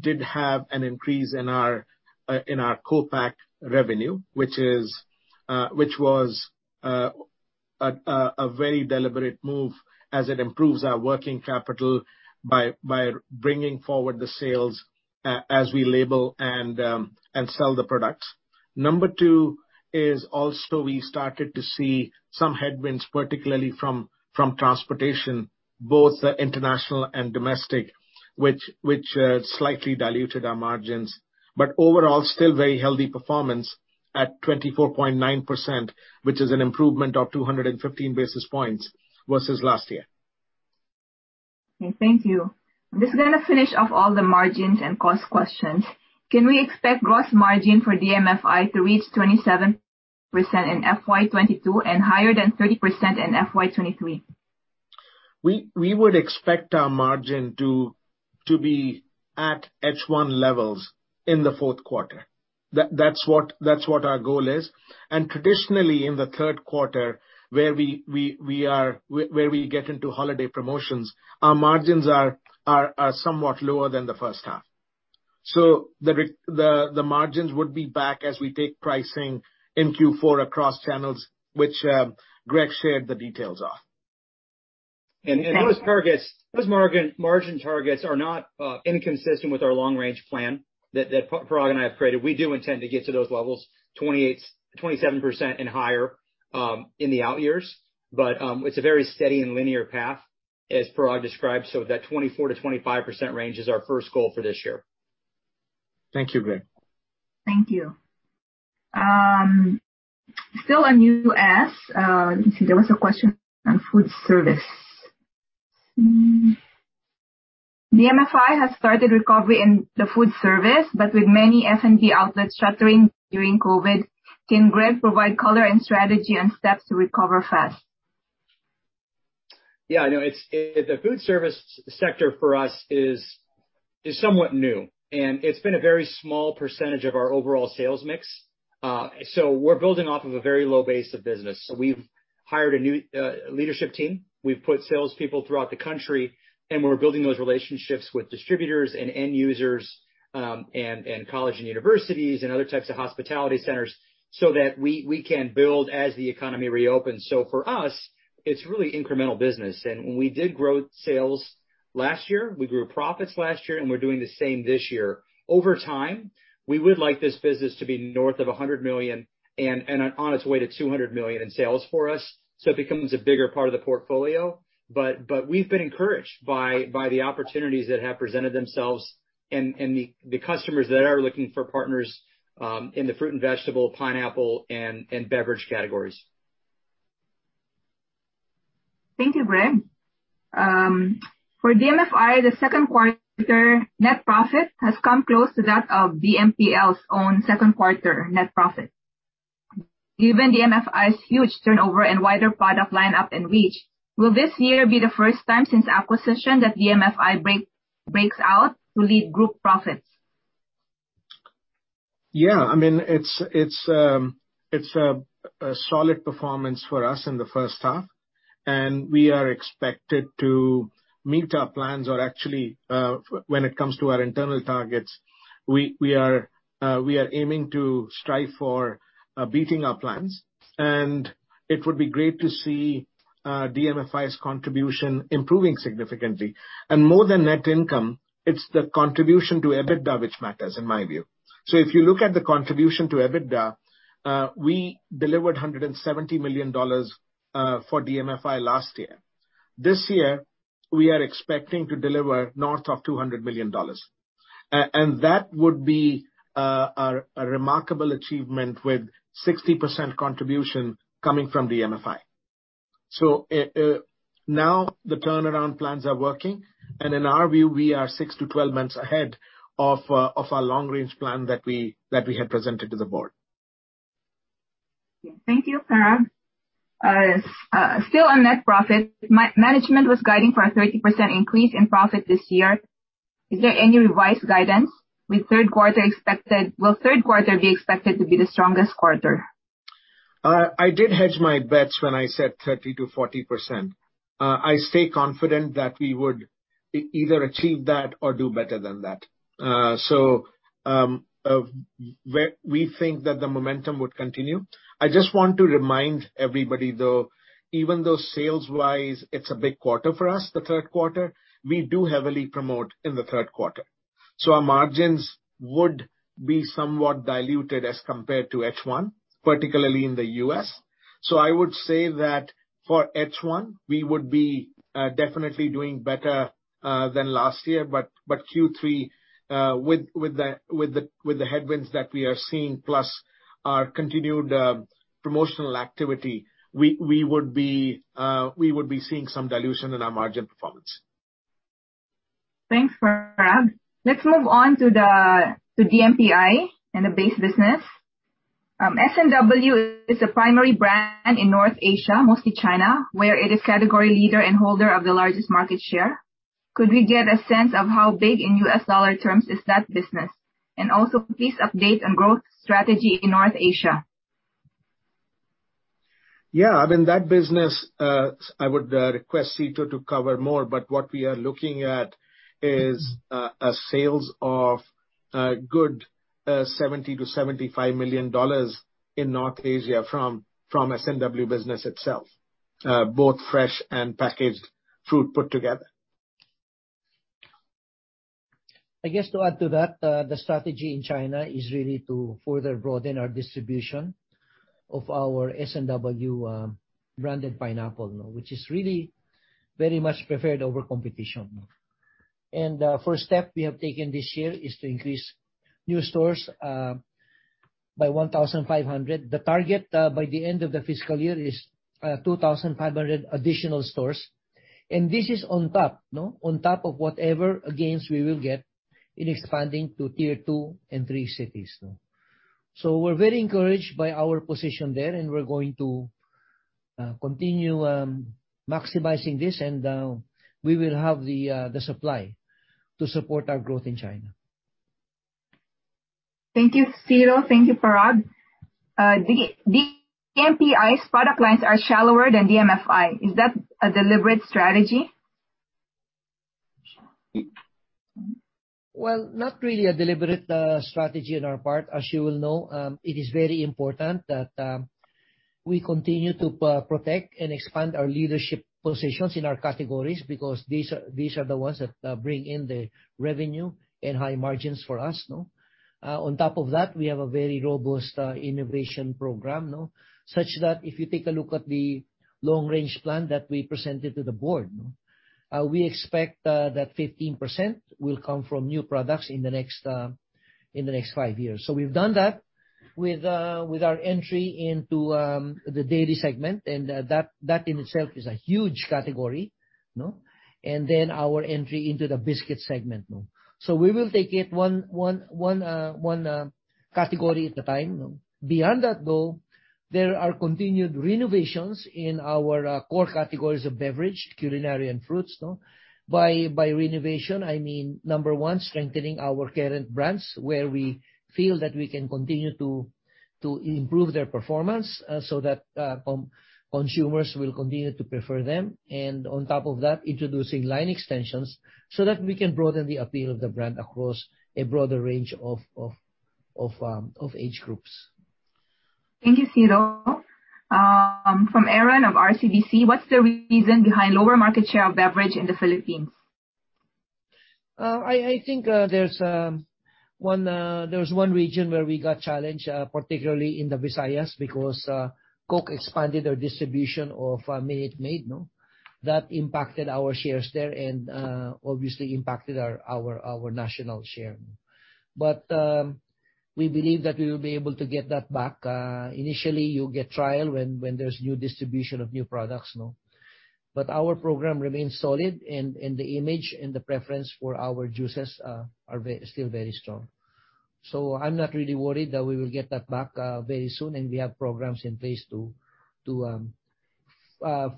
did have an increase in our co-pack revenue, which was a very deliberate move as it improves our working capital by bringing forward the sales as we label and sell the products. Number two is also we started to see some headwinds, particularly from transportation, both international and domestic, which slightly diluted our margins. Overall, still very healthy performance at 24.9%, which is an improvement of 215 basis points versus last year. Okay. Thank you. This is gonna finish off all the margins and cost questions. Can we expect gross margin for DMFI to reach 27% in FY 2022 and higher than 30% in FY 2023? We would expect our margin to be at H1 levels in the Q4. That's what our goal is. Traditionally, in the Q3 where we get into holiday promotions, our margins are somewhat lower than the first half. The margins would be back as we take pricing in Q4 across channels, which Greg shared the details of. Those margin targets are not inconsistent with our long-range plan that Parag and I have created. We do intend to get to those levels, 28%, 27% and higher, in the out years. It's a very steady and linear path, as Parag described. That 24%-25% range is our first goal for this year. Thank you, Greg. Thank you. Still on U.S. There was a question on food service. DMFI has started recovery in the food service, but with many F&B outlets shuttering during COVID, can Greg provide color and strategy and steps to recover fast? Yeah, I know it's the food service sector for us is somewhat new, and it's been a very small percentage of our overall sales mix. We're building off of a very low base of business. We've hired a new leadership team. We've put salespeople throughout the country, and we're building those relationships with distributors and end users, and college and universities and other types of hospitality centers so that we can build as the economy reopens. For us, it's really incremental business. When we did grow sales last year, we grew profits last year, and we're doing the same this year. Over time, we would like this business to be north of $100 million and on its way to $200 million in sales for us, so it becomes a bigger part of the portfolio. We've been encouraged by the opportunities that have presented themselves and the customers that are looking for partners in the fruit and vegetable, pineapple and beverage categories. Thank you, Greg. For DMFI, the Q2 net profit has come close to that of DMPL's own Q2 net profit. Given DMFI's huge turnover and wider product line up and reach, will this year be the first time since acquisition that DMFI breaks out to lead group profits? Yeah. I mean, it's a solid performance for us in the first half, and we are expected to meet our plans or actually, when it comes to our internal targets, we are aiming to strive for beating our plans. It would be great to see DMFI's contribution improving significantly. More than net income, it's the contribution to EBITDA which matters, in my view. If you look at the contribution to EBITDA, we delivered $170 million for DMFI last year. This year, we are expecting to deliver north of $200 million. That would be a remarkable achievement with 60% contribution coming from DMFI. Now the turnaround plans are working, and in our view, we are six to 12 months ahead of our long range plan that we had presented to the board. Yeah. Thank you, Parag. Still on net profit. Management was guiding for a 30% increase in profit this year. Is there any revised guidance? Will Q3 be expected to be the strongest quarter? I did hedge my bets when I said 30%-40%. I stay confident that we would either achieve that or do better than that. We think that the momentum would continue. I just want to remind everybody, though, even though sales-wise, it's a big quarter for us, the Q3, we do heavily promote in the Q3. Our margins would be somewhat diluted as compared to H1, particularly in the U.S. I would say that for H1, we would be definitely doing better than last year, but Q3, with the headwinds that we are seeing, plus our continued promotional activity, we would be seeing some dilution in our margin performance. Thanks, Parag. Let's move on to DMPI and the base business. S&W is a primary brand in North Asia, mostly China, where it is category leader and holder of the largest market share. Could we get a sense of how big in U.S. dollar terms is that business? Also please update on growth strategy in North Asia. Yeah. I mean, that business, I would request Cito to cover more, but what we are looking at is a sales of a good $70 million-$75 million in North Asia from S&W business itself, both fresh and packaged fruit put together. I guess to add to that, the strategy in China is really to further broaden our distribution of our S&W branded pineapple, you know, which is really very much preferred over competition. First step we have taken this year is to increase new stores by 1,500. The target by the end of the fiscal year is 2,500 additional stores. This is on top, you know, on top of whatever gains we will get in expanding to Tier 2 and Tier 3 cities. We're very encouraged by our position there, and we're going to continue maximizing this, and we will have the supply to support our growth in China. Thank you, Cito. Thank you, Parag. DMPI's product lines are shallower than DMFI. Is that a deliberate strategy? Well, not really a deliberate strategy on our part. As you will know, it is very important that we continue to protect and expand our leadership positions in our categories because these are the ones that bring in the revenue and high margins for us, no? On top of that, we have a very robust innovation program, no? Such that if you take a look at the long range plan that we presented to the board, we expect that 15% will come from new products in the next five years. So we've done that. With our entry into the dairy segment, and that in itself is a huge category, no? And then our entry into the biscuit segment. We will take it one category at a time. Beyond that, though, there are continued renovations in our core categories of beverage, culinary, and fruits, no? By renovation, I mean, number one, strengthening our current brands, where we feel that we can continue to improve their performance, so that consumers will continue to prefer them. On top of that, introducing line extensions so that we can broaden the appeal of the brand across a broader range of age groups. Thank you, Cito. From Aaron of RCBC: What's the reason behind lower market share of beverage in the Philippines? I think there's one region where we got challenged particularly in the Visayas, because Coke expanded their distribution of Minute Maid, no? That impacted our shares there and obviously impacted our national share. We believe that we will be able to get that back. Initially, you'll get trial when there's new distribution of new products, no? Our program remains solid and the image and the preference for our juices are very strong. I'm not really worried that we will get that back very soon, and we have programs in place to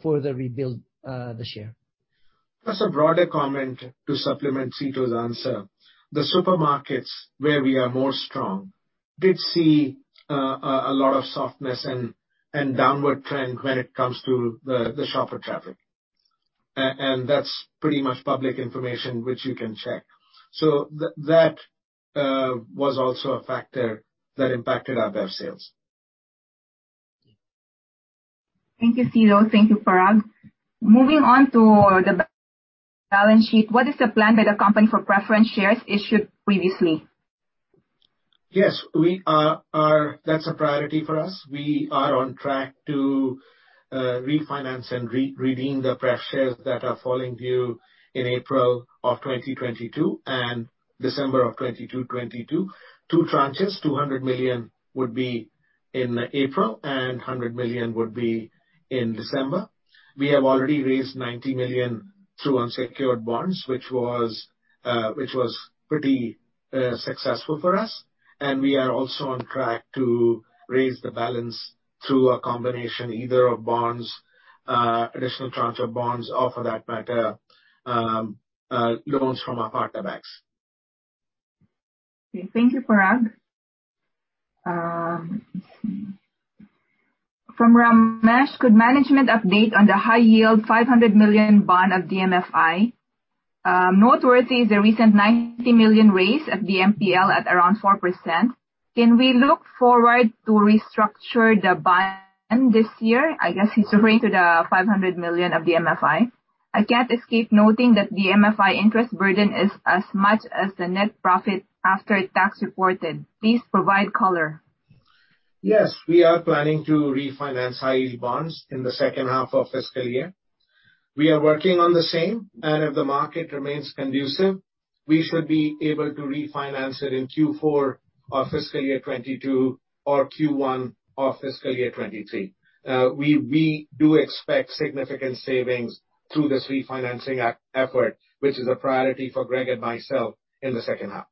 further rebuild the share. Just a broader comment to supplement Cito's answer. The supermarkets where we are more strong did see a lot of softness and downward trend when it comes to the shopper traffic. That's pretty much public information which you can check. That was also a factor that impacted our bev sales. Thank you, Cito. Thank you, Parag. Moving on to the balance sheet. What is the plan that the company for preference shares issued previously? Yes. We are. That's a priority for us. We are on track to refinance and redeem the pref shares that are falling due in April 2022 and December 2022. Two tranches, $200 million would be in April, and $100 million would be in December. We have already raised $90 million through unsecured bonds, which was pretty successful for us. We are also on track to raise the balance through a combination, either of bonds, additional tranche of bonds or for that matter, loans from our partner banks. Thank you, Parag. From Ramesh: Could management update on the high-yield $500 million bond of DMFI? Noteworthy the recent $90 million raise at DMPL at around 4%. Can we look forward to restructure the bond this year? I guess he's referring to the $500 million of DMFI. I can't escape noting that DMFI interest burden is as much as the net profit after tax reported. Please provide color. Yes. We are planning to refinance high-yield bonds in the second half of fiscal year. We are working on the same, and if the market remains conducive, we should be able to refinance it in Q4 of fiscal year 2022 or Q1 of fiscal year 2023. We do expect significant savings through this refinancing effort, which is a priority for Greg and myself in the second half.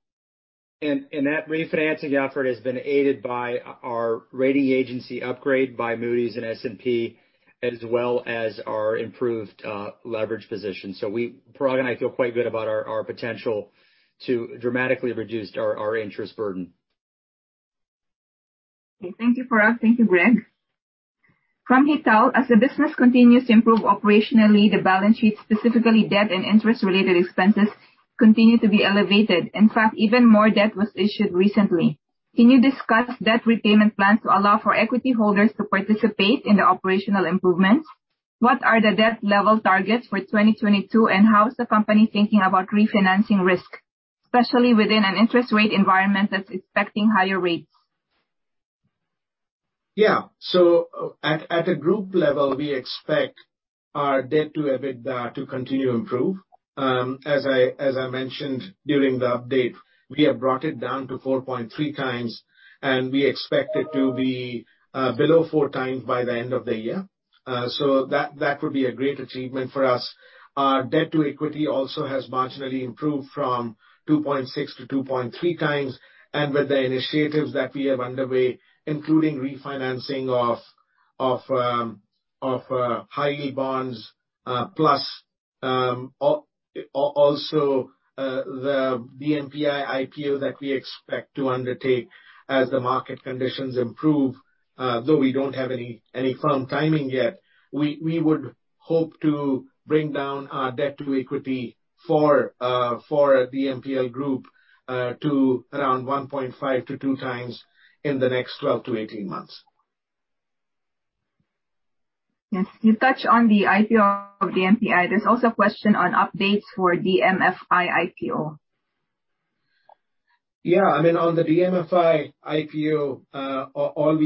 That refinancing effort has been aided by our rating agency upgrade by Moody's and S&P, as well as our improved leverage position. We, Parag and I, feel quite good about our potential to dramatically reduce our interest burden. Thank you, Parag. Thank you, Greg. From Hital: As the business continues to improve operationally, the balance sheet, specifically debt and interest-related expenses, continue to be elevated. In fact, even more debt was issued recently. Can you discuss debt repayment plan to allow for equity holders to participate in the operational improvements? What are the debt level targets for 2022, and how is the company thinking about refinancing risk, especially within an interest rate environment that's expecting higher rates? At a group level, we expect our debt to EBITDA to continue to improve. As I mentioned during the update, we have brought it down to 4.3x, and we expect it to be below four times by the end of the year. That would be a great achievement for us. Our debt to equity also has marginally improved from 2.6x-2.3x. With the initiatives that we have underway, including refinancing of high-yield bonds, plus also the DMPI IPO that we expect to undertake as the market conditions improve, though we don't have any firm timing yet, we would hope to bring down our debt to equity for DMPL Group to around 1.5x to two times in the next 12-18 months. Yes. You touched on the IPO of DMPI. There's also a question on updates for DMFI IPO. I mean, on the DMFI IPO, all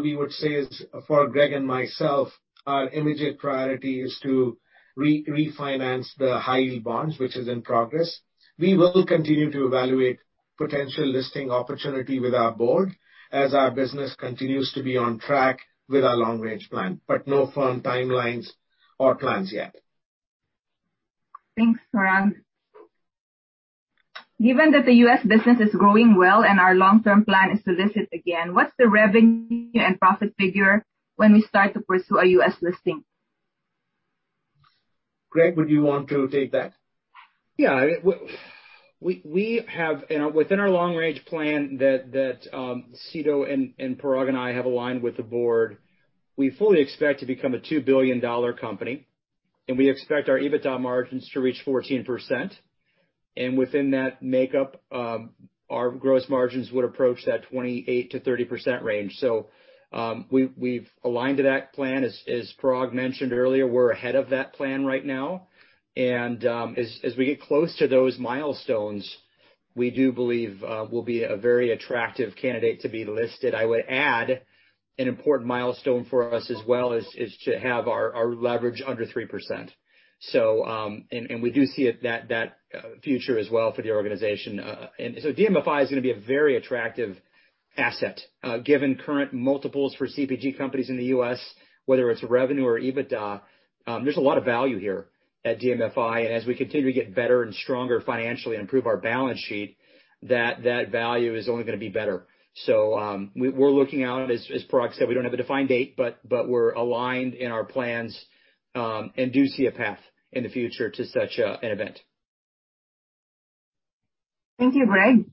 we would say is, for Greg and myself, our immediate priority is to refinance the high-yield bonds, which is in progress. We will continue to evaluate potential listing opportunity with our board as our business continues to be on track with our long-range plan, but no firm timelines or plans yet. Thanks, Parag. Given that the U.S. business is growing well and our long-term plan is to list it again, what's the revenue and profit figure when we start to pursue a U.S. listing? Greg, would you want to take that? We have within our long-range plan that Cito and Parag and I have aligned with the board, we fully expect to become a $2 billion company, and we expect our EBITDA margins to reach 14%. Within that makeup, our gross margins would approach that 28%-30% range. We've aligned to that plan. As Parag mentioned earlier, we're ahead of that plan right now. As we get close to those milestones, we do believe we'll be a very attractive candidate to be listed. I would add an important milestone for us as well is to have our leverage under 3%. We do see that future as well for the organization. DMFI is gonna be a very attractive asset. Given current multiples for CPG companies in the U.S., whether it's revenue or EBITDA, there's a lot of value here at DMFI. As we continue to get better and stronger financially and improve our balance sheet, that value is only gonna be better. We're looking out. As Parag said, we don't have a defined date, but we're aligned in our plans, and do see a path in the future to such an event. Thank you, Greg.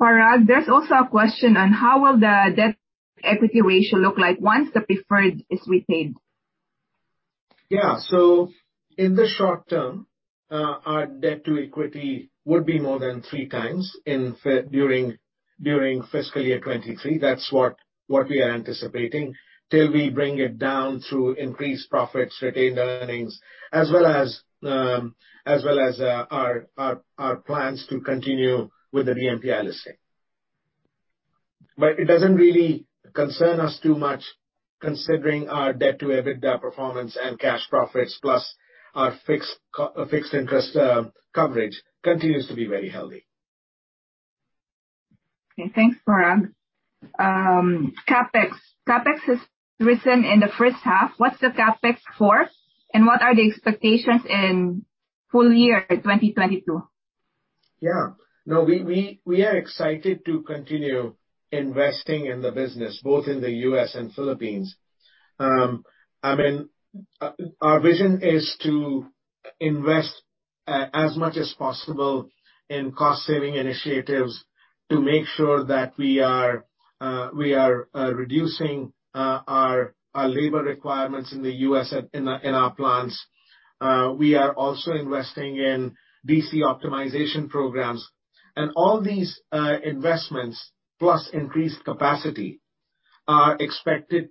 Parag, there's also a question on how will the debt equity ratio look like once the preferred is repaid? In the short term, our debt to equity would be more than three times during fiscal year 2023. That's what we are anticipating, till we bring it down through increased profits, retained earnings, as well as our plans to continue with the DMPI listing. It doesn't really concern us too much considering our debt to EBITDA performance and cash profits, plus our fixed interest coverage continues to be very healthy. Okay. Thanks, Parag. CapEx has risen in the first half. What's the CapEx for, and what are the expectations in full year 2022? Yeah. No, we are excited to continue investing in the business, both in the U.S. and Philippines. I mean, our vision is to invest as much as possible in cost-saving initiatives to make sure that we are reducing our labor requirements in the U.S. in our plants. We are also investing in DC optimization programs. All these investments plus increased capacity are expected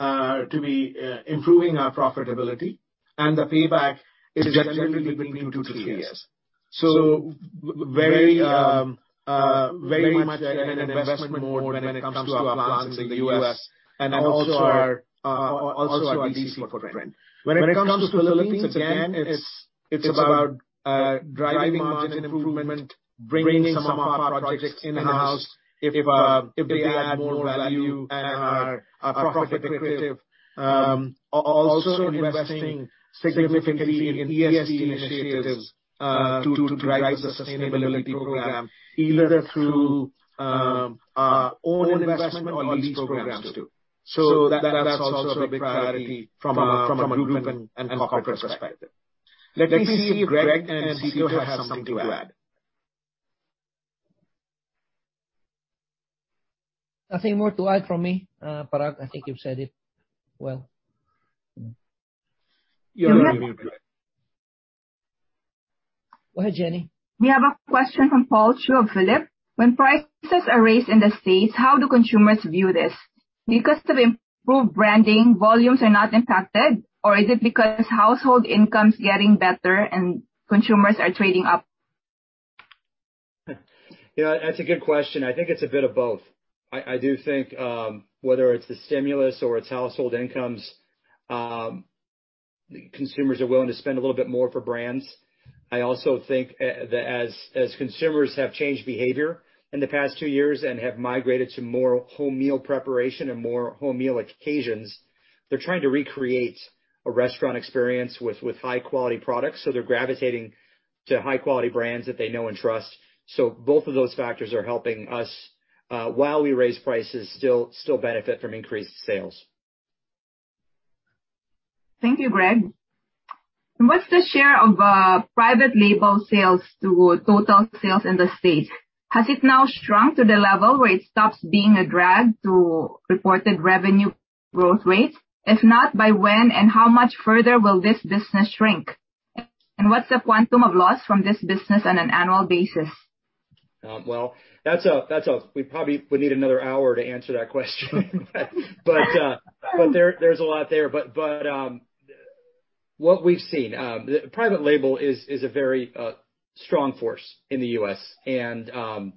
to be improving our profitability, and the payback is generally between two to three years. Very much in an investment mode when it comes to our plants in the U.S. and also our DC footprint. When it comes to the Philippines, again, it's about driving margin improvement, bringing some of our projects in-house if they add more value and are profit accretive, also investing significantly in ESG initiatives to drive the sustainability program, either through our own investment or lease programs too. That's also a big priority from a group and corporate perspective. Let me see if Greg and Cito have something to add. Nothing more to add from me, Parag. I think you've said it well. You're welcome. Go ahead, Jenny. We have a question from Paul Chew of Phillip Securities. When prices are raised in the States, how do consumers view this? Because to improve branding, volumes are not impacted, or is it because household income's getting better and consumers are trading up? Yeah, that's a good question. I think it's a bit of both. I do think whether it's the stimulus or it's household incomes, consumers are willing to spend a little bit more for brands. I also think that as consumers have changed behavior in the past two years and have migrated to more home meal preparation and more home meal occasions, they're trying to recreate a restaurant experience with high quality products. They're gravitating to high-quality brands that they know and trust. Both of those factors are helping us while we raise prices, still benefit from increased sales. Thank you, Greg. What's the share of private label sales to total sales in the States? Has it now shrunk to the level where it stops being a drag to reported revenue growth rates? If not, by when and how much further will this business shrink? What's the quantum of loss from this business on an annual basis? We probably would need another hour to answer that question. There's a lot there. What we've seen, private label is a very strong force in the U.S. and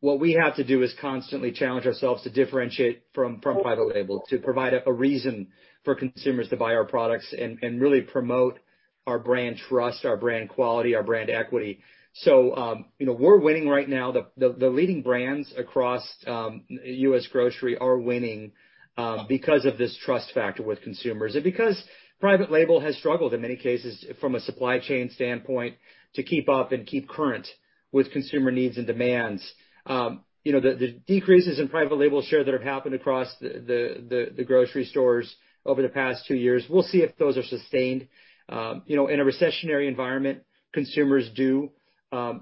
what we have to do is constantly challenge ourselves to differentiate from private label, to provide a reason for consumers to buy our products and really promote our brand trust, our brand quality, our brand equity. You know, we're winning right now. The leading brands across U.S. grocery are winning because of this trust factor with consumers. Because private label has struggled in many cases from a supply chain standpoint to keep up and keep current with consumer needs and demands, you know, the decreases in private label share that have happened across the grocery stores over the past two years, we'll see if those are sustained. You know, in a recessionary environment, consumers do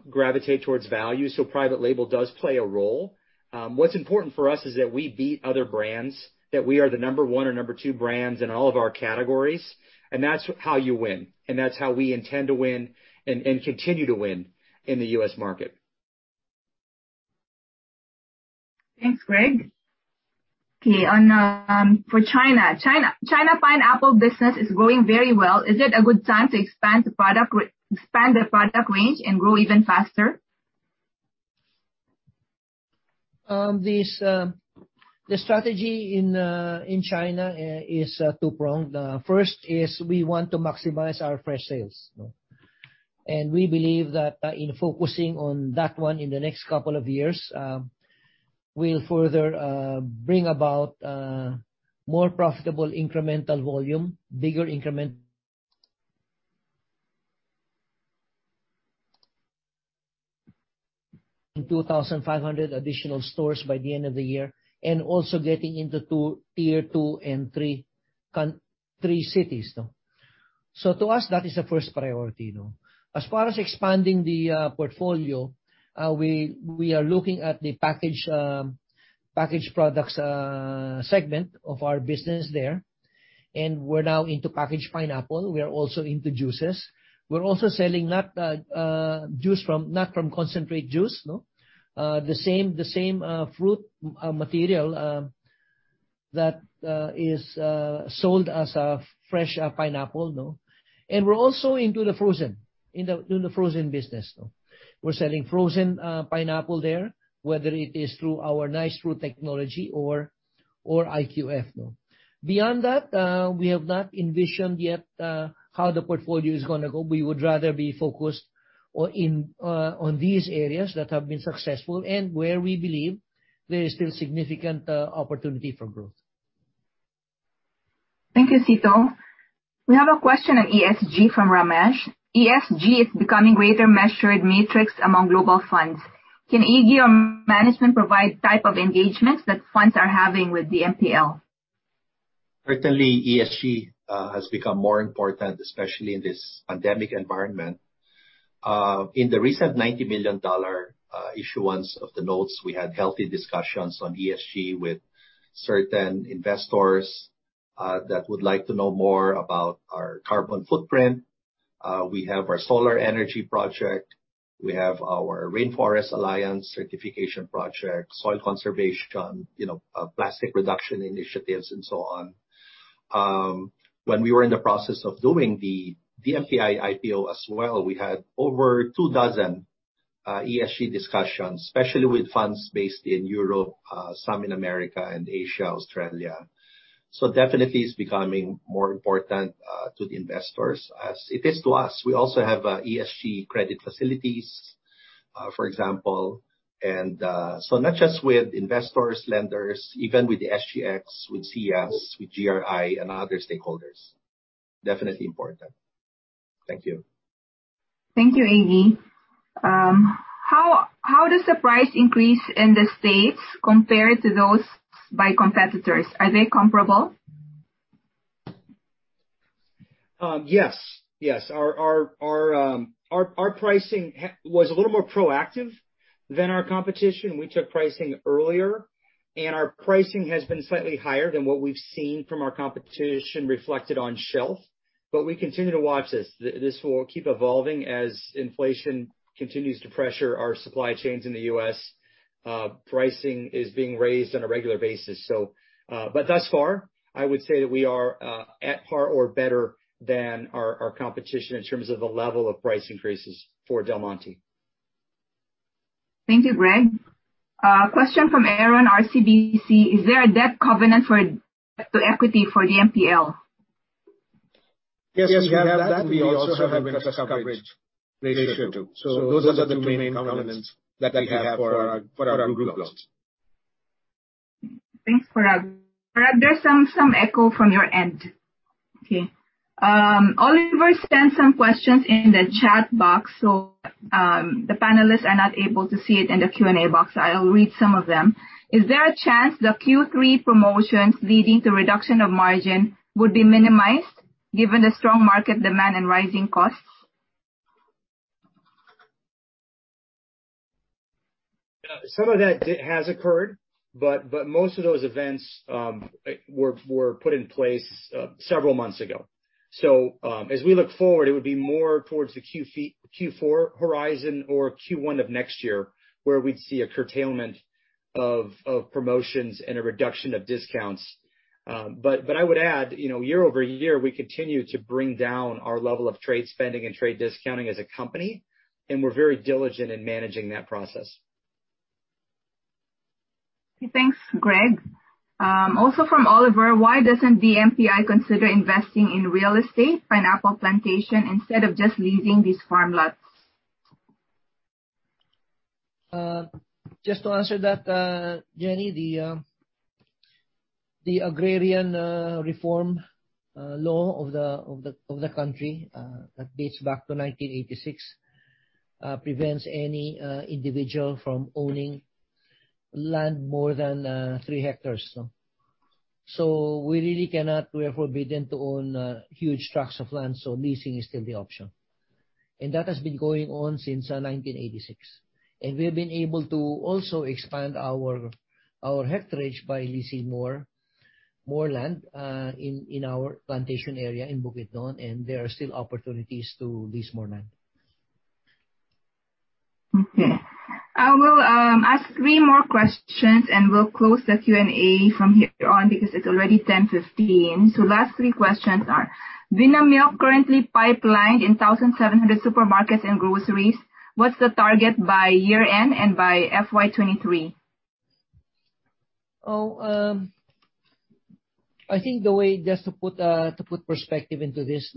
gravitate towards value, so private label does play a role. What's important for us is that we beat other brands, that we are the number one or number two brands in all of our categories, and that's how you win, and that's how we intend to win and continue to win in the U.S. market. Thanks, Greg. Okay. On for China. China pineapple business is growing very well. Is it a good time to expand the product range and grow even faster? The strategy in China is two-pronged. First, we want to maximize our fresh sales. We believe that in focusing on that one in the next couple of years, we'll further bring about more profitable incremental volume, bigger increment in 2,500 additional stores by the end of the year, and also getting into Tier 2 and Tier 3 cities. To us, that is the first priority, you know. As far as expanding the portfolio, we are looking at the packaged products segment of our business there, and we're now into packaged pineapple. We are also into juices. We're also selling not from concentrate juice, the same fruit material that is sold as a fresh pineapple. We're also into the frozen business. We're selling frozen pineapple there, whether it is through our Nice Fruit technology or IQF. Beyond that, we have not envisioned yet how the portfolio is gonna go. We would rather be focused on these areas that have been successful and where we believe there is still significant opportunity for growth. Thank you, Cito. We have a question on ESG from Ramesh. ESG is becoming a greater measured metric among global funds. Can Iggy or management provide the type of engagements that funds are having with DMPL? Certainly, ESG has become more important, especially in this pandemic environment. In the recent $90 million issuance of the notes, we had healthy discussions on ESG with certain investors that would like to know more about our carbon footprint. We have our solar energy project. We have our Rainforest Alliance certification project, soil conservation, you know, plastic reduction initiatives, and so on. When we were in the process of doing the DMPI IPO as well, we had over two dozen ESG discussions, especially with funds based in Europe, some in America, Asia, Australia. Definitely it's becoming more important to the investors as it is to us. We also have ESG credit facilities, for example. Not just with investors, lenders, even with the SGX, with SIAS, with GRI and other stakeholders. Definitely important. Thank you. Thank you, Iggy. How does the price increase in the States compare to those by competitors? Are they comparable? Yes. Our pricing was a little more proactive than our competition. We took pricing earlier, and our pricing has been slightly higher than what we've seen from our competition reflected on shelf. We continue to watch this. This will keep evolving as inflation continues to pressure our supply chains in the U.S. Pricing is being raised on a regular basis, so but thus far, I would say that we are at par or better than our competition in terms of the level of price increases for Del Monte. Thank you, Greg. Question from Aaron, RCBC. Is there a debt covenant for debt to equity for DMPL? Yes, we have that. We also have interest coverage ratio too. Those are the two main covenants that we have for our group loans. Thanks, Greg. There's some echo from your end. Okay. Oliver sent some questions in the chat box, so the panelists are not able to see it in the Q&A box. I'll read some of them. Is there a chance the Q3 promotions leading to reduction of margin would be minimized given the strong market demand and rising costs? Yeah. Some of that has occurred, but most of those events were put in place several months ago. As we look forward, it would be more towards the Q4 horizon or Q1 of next year, where we'd see a curtailment of promotions and a reduction of discounts. I would add, you know, year-over-year, we continue to bring down our level of trade spending and trade discounting as a company, and we're very diligent in managing that process. Okay. Thanks, Greg. Also from Oliver: Why doesn't DMPI consider investing in real estate, pineapple plantation instead of just leasing these farm lots? Just to answer that, Jenny, the agrarian reform law of the country that dates back to 1986 prevents any individual from owning land more than 3 hectares. So we really cannot. We are forbidden to own huge tracts of land, so leasing is still the option. That has been going on since 1986. We've been able to also expand our hectarage by leasing more land in our plantation area in Bukidnon, and there are still opportunities to lease more land. I will ask three more questions, and we'll close the Q&A from here on, because it's already 10:15. Last three questions are, Vinamilk currently pipelined in 1,700 supermarkets and groceries. What's the target by year-end and by FY 2023? I think the way to put perspective into this,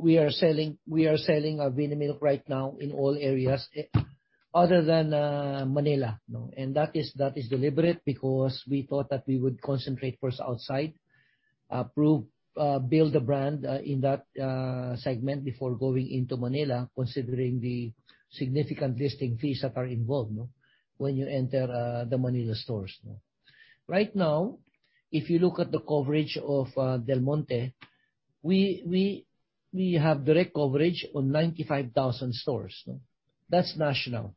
we are selling our Vinamilk right now in all areas other than Manila. That is deliberate, because we thought that we would concentrate first outside, approve, build a brand in that segment before going into Manila, considering the significant listing fees that are involved when you enter the Manila stores. Right now, if you look at the coverage of Del Monte, we have direct coverage on 95,000 stores. That's national.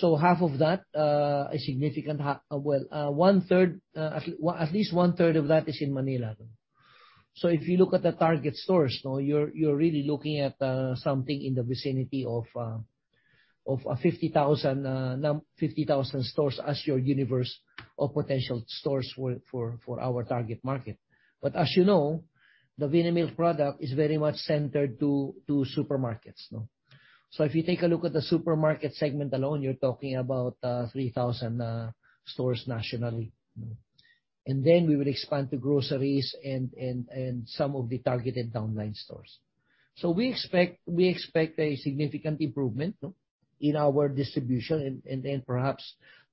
Half of that, a significant well, 1/3, at least 1/3 of that is in Manila. If you look at the Target stores, you're really looking at something in the vicinity of 50,000 stores as your universe of potential stores for our target market. As you know, the Vinamilk product is very much centered to supermarkets. If you take a look at the supermarket segment alone, you're talking about 3,000 stores nationally. Then we will expand to groceries and some of the targeted downline stores. We expect a significant improvement in our distribution and then perhaps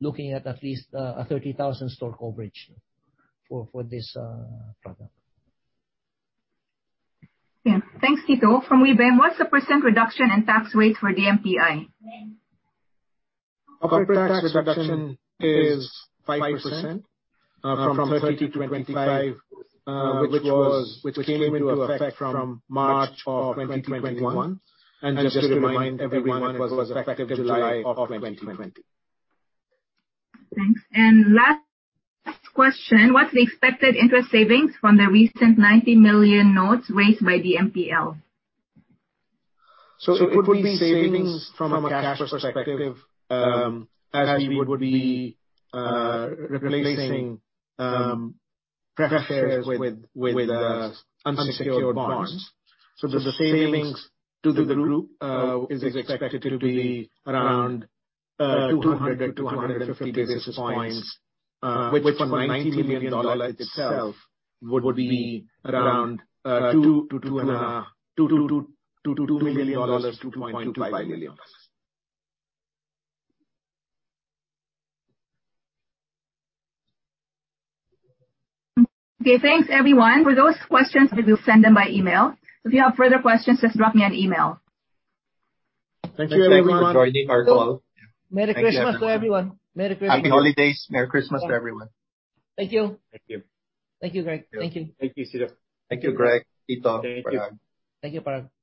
looking at at least 30,000 store coverage for this product. Yeah. Thanks, Cito. From Vivian Ye: What's the percentage reduction in tax rate for DMPI? Corporate tax reduction is 5%, from 30% to 25%, which came into effect from March of 2021. Just to remind everyone, it was effective July of 2020. Thanks. Last question: What's the expected interest savings from the recent $90 million notes raised by DMPL? It would be savings from a cash perspective, as we would be replacing pref shares with unsecured bonds. The savings to the group is expected to be around 200-250 basis points, which for $90 million itself would be around $2 million-$2.5 million. Okay. Thanks, everyone. For those questions, we will send them by email. If you have further questions, just drop me an email. Thank you, everyone. Thanks, Greg, for joining our call. Merry Christmas to everyone. Merry Christmas. Happy holidays. Merry Christmas to everyone. Thank you. Thank you. Thank you, Greg. Thank you. Thank you, Cito. Thank you, Greg, Parag. Thank you, Parag.